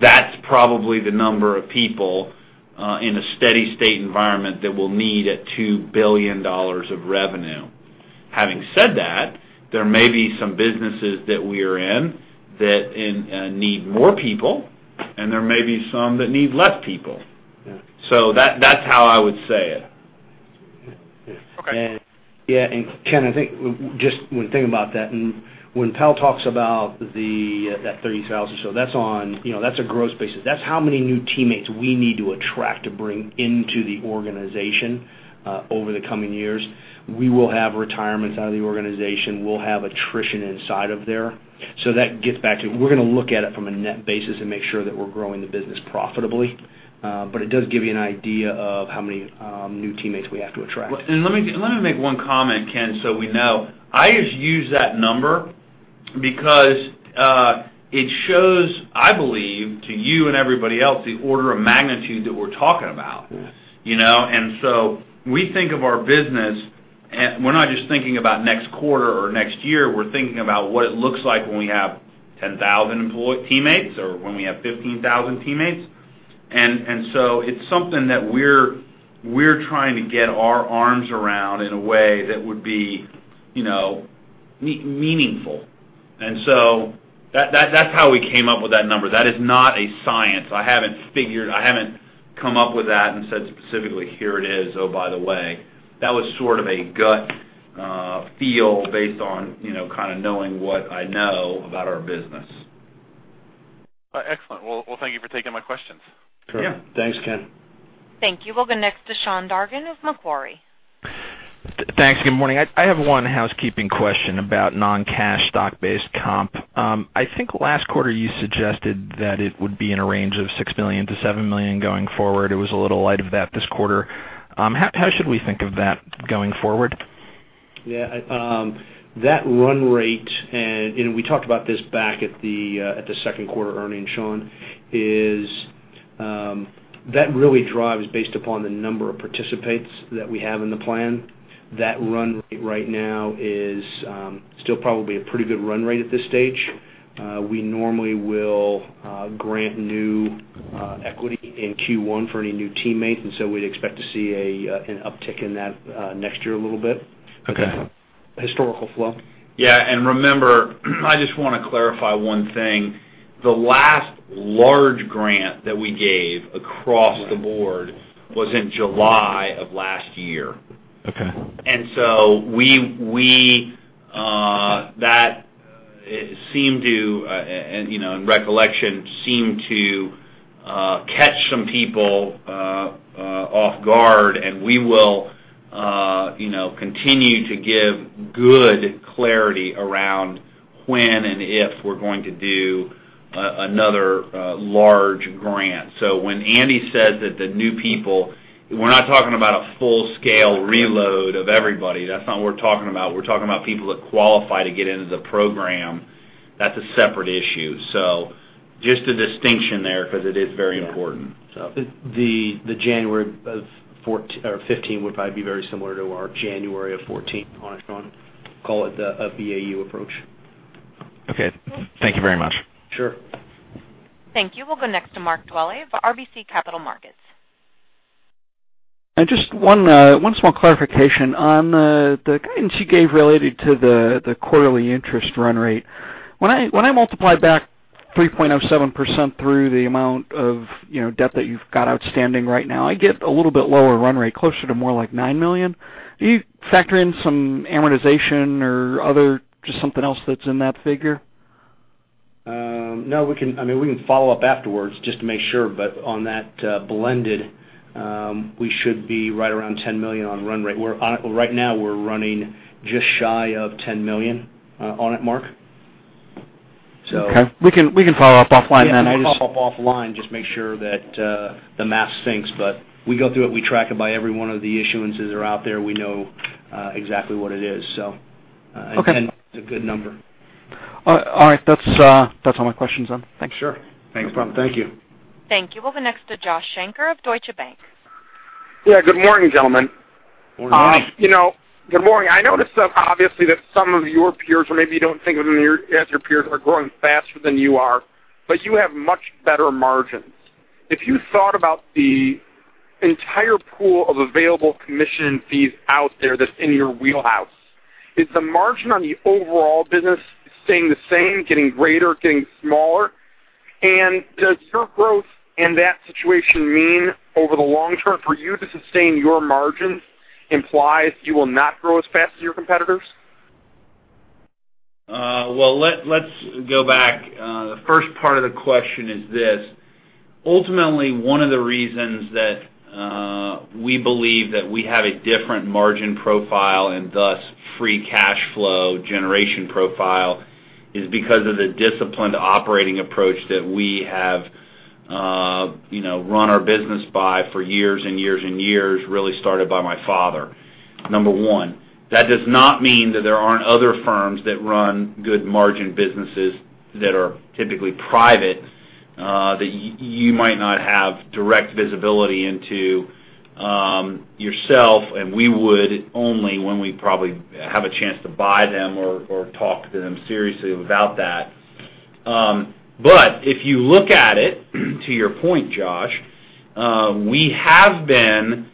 that's probably the number of people in a steady state environment that we'll need at $2 billion of revenue. Having said that, there may be some businesses that we are in that need more people, and there may be some that need less people. Yeah. That's how I would say it. Okay. Yeah. Ken, I think just one thing about that, when Powell talks about that 3,000, that's a gross basis. That's how many new teammates we need to attract to bring into the organization over the coming years. We will have retirements out of the organization. We'll have attrition inside of there. That gets back to we're going to look at it from a net basis and make sure that we're growing the business profitably. It does give you an idea of how many new teammates we have to attract. Let me make one comment, Ken, so we know. I just use that number because it shows, I believe, to you and everybody else the order of magnitude that we're talking about. Yes. We think of our business. We're not just thinking about next quarter or next year. We're thinking about what it looks like when we have 10,000 teammates or when we have 15,000 teammates. It's something that we're trying to get our arms around in a way that would be meaningful. That's how we came up with that number. That is not a science. I haven't come up with that and said, specifically, "Here it is. Oh, by the way." That was sort of a gut feel based on kind of knowing what I know about our business. Excellent. Well, thank you for taking my questions. Yeah. Sure. Thanks, Ken. Thank you. We'll go next to Sean Dargan of Macquarie. Thanks. Good morning. I have one housekeeping question about non-cash stock-based comp. I think last quarter you suggested that it would be in a range of $6 million-$7 million going forward. It was a little light of that this quarter. How should we think of that going forward? Yeah. That run rate, and we talked about this back at the second quarter earnings, Sean, is that really drives based upon the number of participants that we have in the plan. That run rate right now is still probably a pretty good run rate at this stage. We normally will grant new equity in Q1 for any new teammate, so we'd expect to see an uptick in that next year a little bit. Okay. Historical flow. Yeah. Remember, I just want to clarify one thing. The last large grant that we gave across the board was in July of last year. Okay. That, in recollection, seemed to catch some people off guard, and we will continue to give good clarity around when and if we're going to do another large grant. When Andy says that the new people, we're not talking about a full-scale reload of everybody. That's not what we're talking about. We're talking about people that qualify to get into the program. That's a separate issue. Just a distinction there because it is very important. Yeah. The January of 2015 would probably be very similar to our January of 2014 on it, Sean. Call it a BAU approach. Okay. Thank you very much. Sure. Thank you. We'll go next to Mark Dwelle of RBC Capital Markets. Just one small clarification on the guidance you gave related to the quarterly interest run rate. When I multiply back 3.07% through the amount of debt that you've got outstanding right now, I get a little bit lower run rate, closer to more like $9 million. Do you factor in some amortization or other, just something else that's in that figure? No. We can follow up afterwards just to make sure. On that blended, we should be right around $10 million on run rate. Right now, we're running just shy of $10 million on it, Mark. Okay. We can follow up offline then. Yeah, we can follow up offline just to make sure that the math syncs. We go through it, we track it by every one of the issuances that are out there. We know exactly what it is. Okay. It's a good number. All right. That's all my questions then. Thanks. Sure. Thanks, Mark. Thank you. Thank you. We'll go next to Joshua Shanker of Deutsche Bank. Yeah. Good morning, gentlemen. Morning. Morning. Good morning. I noticed obviously that some of your peers, or maybe you don't think of them as your peers, are growing faster than you are, but you have much better margins. If you thought about the entire pool of available commission fees out there that's in your wheelhouse, is the margin on the overall business staying the same, getting greater, getting smaller? Does your growth in that situation mean, over the long term, for you to sustain your margin implies you will not grow as fast as your competitors? Well, let's go back. The first part of the question is this: ultimately, one of the reasons that we believe that we have a different margin profile, and thus free cash flow generation profile, is because of the disciplined operating approach that we have run our business by for years and years and years, really started by my father. Number one. That does not mean that there aren't other firms that run good margin businesses that are typically private, that you might not have direct visibility into yourself, and we would only when we probably have a chance to buy them or talk to them seriously about that. If you look at it, to your point, Josh, we have been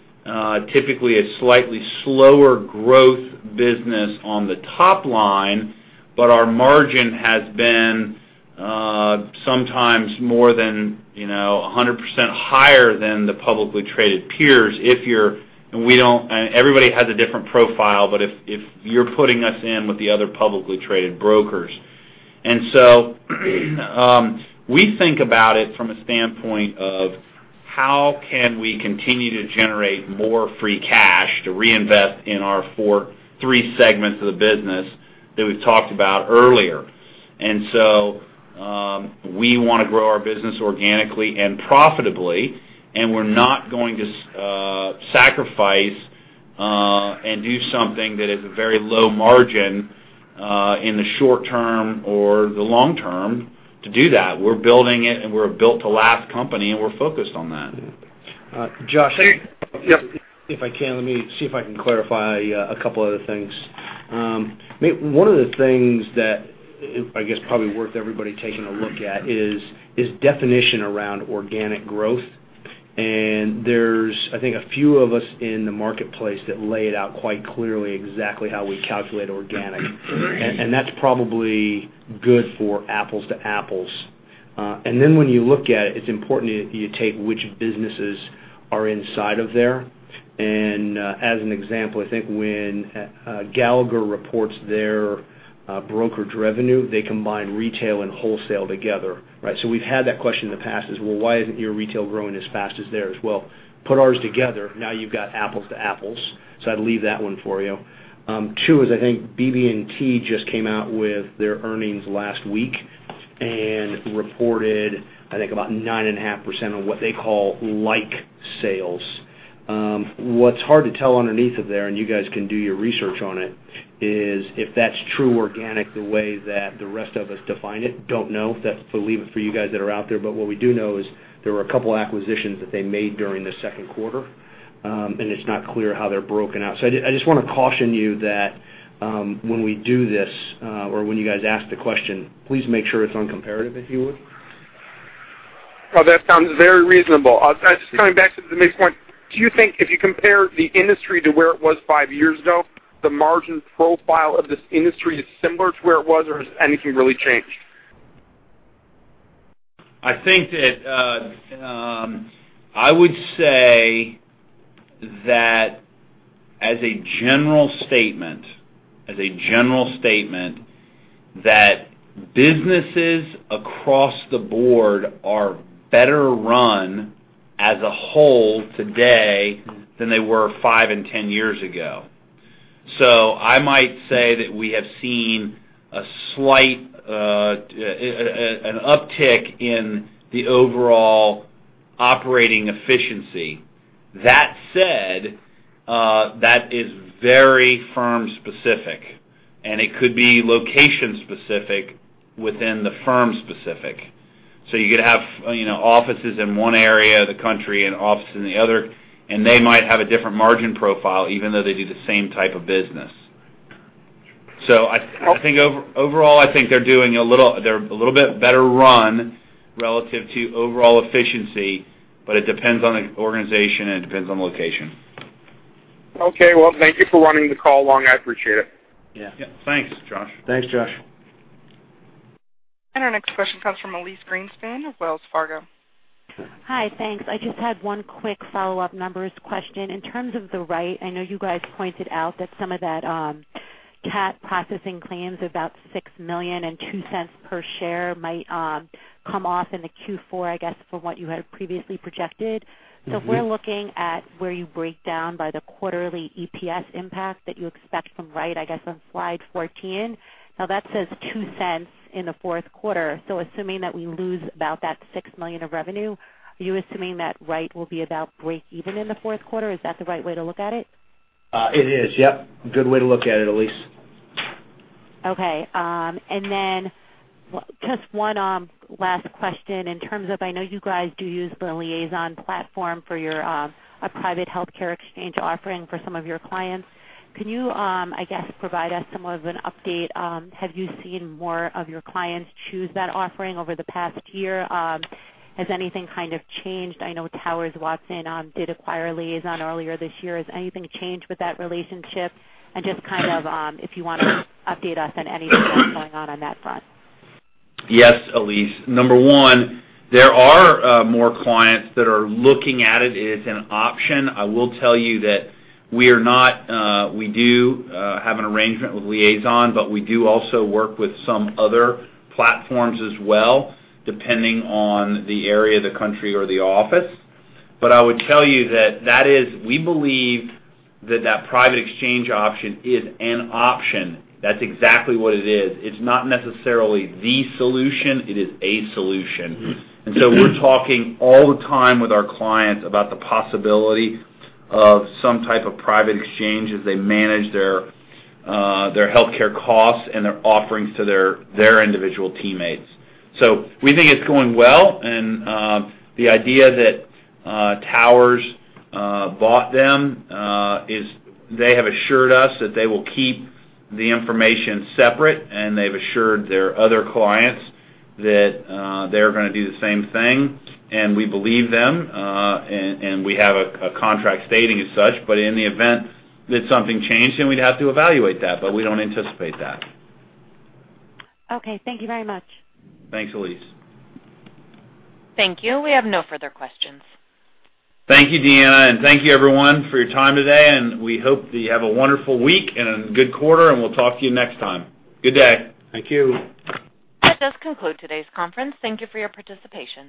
typically a slightly slower growth business on the top line, but our margin has been sometimes more than 100% higher than the publicly traded peers. Everybody has a different profile, but if you're putting us in with the other publicly traded brokers, we think about it from a standpoint of how can we continue to generate more free cash to reinvest in our three segments of the business that we've talked about earlier. We want to grow our business organically and profitably, and we're not going to sacrifice and do something that is a very low margin in the short term or the long term to do that. We're building it, and we're a built-to-last company, and we're focused on that. Josh? Yes. If I can, let me see if I can clarify a couple other things. One of the things that I guess probably worth everybody taking a look at is definition around organic growth. There's, I think, a few of us in the marketplace that lay it out quite clearly exactly how we calculate organic. That's probably good for apples to apples. Then when you look at it's important you take which businesses are inside of there. As an example, I think when Gallagher reports their brokerage revenue, they combine retail and wholesale together, right? We've had that question in the past as well, "Why isn't your retail growing as fast as theirs?" Well, put ours together, now you've got apples to apples. I'd leave that one for you. Two is, I think BB&T just came out with their earnings last week and reported, I think, about 9.5% on what they call like sales. What's hard to tell underneath of there, and you guys can do your research on it, is if that's true organic the way that the rest of us define it, don't know. That's to leave it for you guys that are out there. What we do know is there were a couple acquisitions that they made during the second quarter, and it's not clear how they're broken out. I just want to caution you that when we do this or when you guys ask the question, please make sure it's on comparative, if you would. Well, that sounds very reasonable. Just coming back to the main point, do you think if you compare the industry to where it was five years ago, the margin profile of this industry is similar to where it was or has anything really changed? I think that I would say that as a general statement that businesses across the board are better run as a whole today than they were five and 10 years ago. I might say that we have seen an uptick in the overall operating efficiency. That said, that is very firm specific, and it could be location specific within the firm specific. You could have offices in one area of the country and offices in the other, and they might have a different margin profile even though they do the same type of business. Overall, I think they're a little bit better run relative to overall efficiency, but it depends on the organization, and it depends on location. Okay. Well, thank you for running the call along. I appreciate it. Yeah. Yeah. Thanks, Josh. Thanks, Josh. Our next question comes from Elyse Greenspan of Wells Fargo. Hi. Thanks. I just had one quick follow-up numbers question. In terms of the Wright, I know you guys pointed out that some of that CAT processing claims about $6 million and $0.02 per share might come off into Q4, I guess, from what you had previously projected. If we're looking at where you break down by the quarterly EPS impact that you expect from Wright, I guess on slide 14. Now, that says $0.02 in the fourth quarter. Assuming that we lose about that $6 million of revenue, are you assuming that Wright will be about breakeven in the fourth quarter? Is that the right way to look at it? It is. Yep. Good way to look at it, Elyse. Okay. Just one last question in terms of, I know you guys do use the Liazon platform for your private healthcare exchange offering for some of your clients. Can you, I guess, provide us some more of an update? Have you seen more of your clients choose that offering over the past year? Has anything kind of changed? I know Towers Watson did acquire Liazon earlier this year. Has anything changed with that relationship? Just kind of if you want to update us on anything that's going on on that front. Yes, Elyse. Number one, there are more clients that are looking at it as an option. I will tell you that we do have an arrangement with Liazon, but we do also work with some other platforms as well, depending on the area of the country or the office. I would tell you that we believe that private exchange option is an option. That's exactly what it is. It's not necessarily the solution. It is a solution. We're talking all the time with our clients about the possibility of some type of private exchange as they manage their healthcare costs and their offerings to their individual teammates. We think it's going well, and the idea that Towers bought them is they have assured us that they will keep the information separate, and they've assured their other clients that they're going to do the same thing. We believe them, and we have a contract stating as such. In the event that something changed, then we'd have to evaluate that. We don't anticipate that. Okay. Thank you very much. Thanks, Elyse. Thank you. We have no further questions. Thank you, Deanna, and thank you everyone for your time today, and we hope that you have a wonderful week and a good quarter, and we'll talk to you next time. Good day. Thank you. That does conclude today's conference. Thank you for your participation.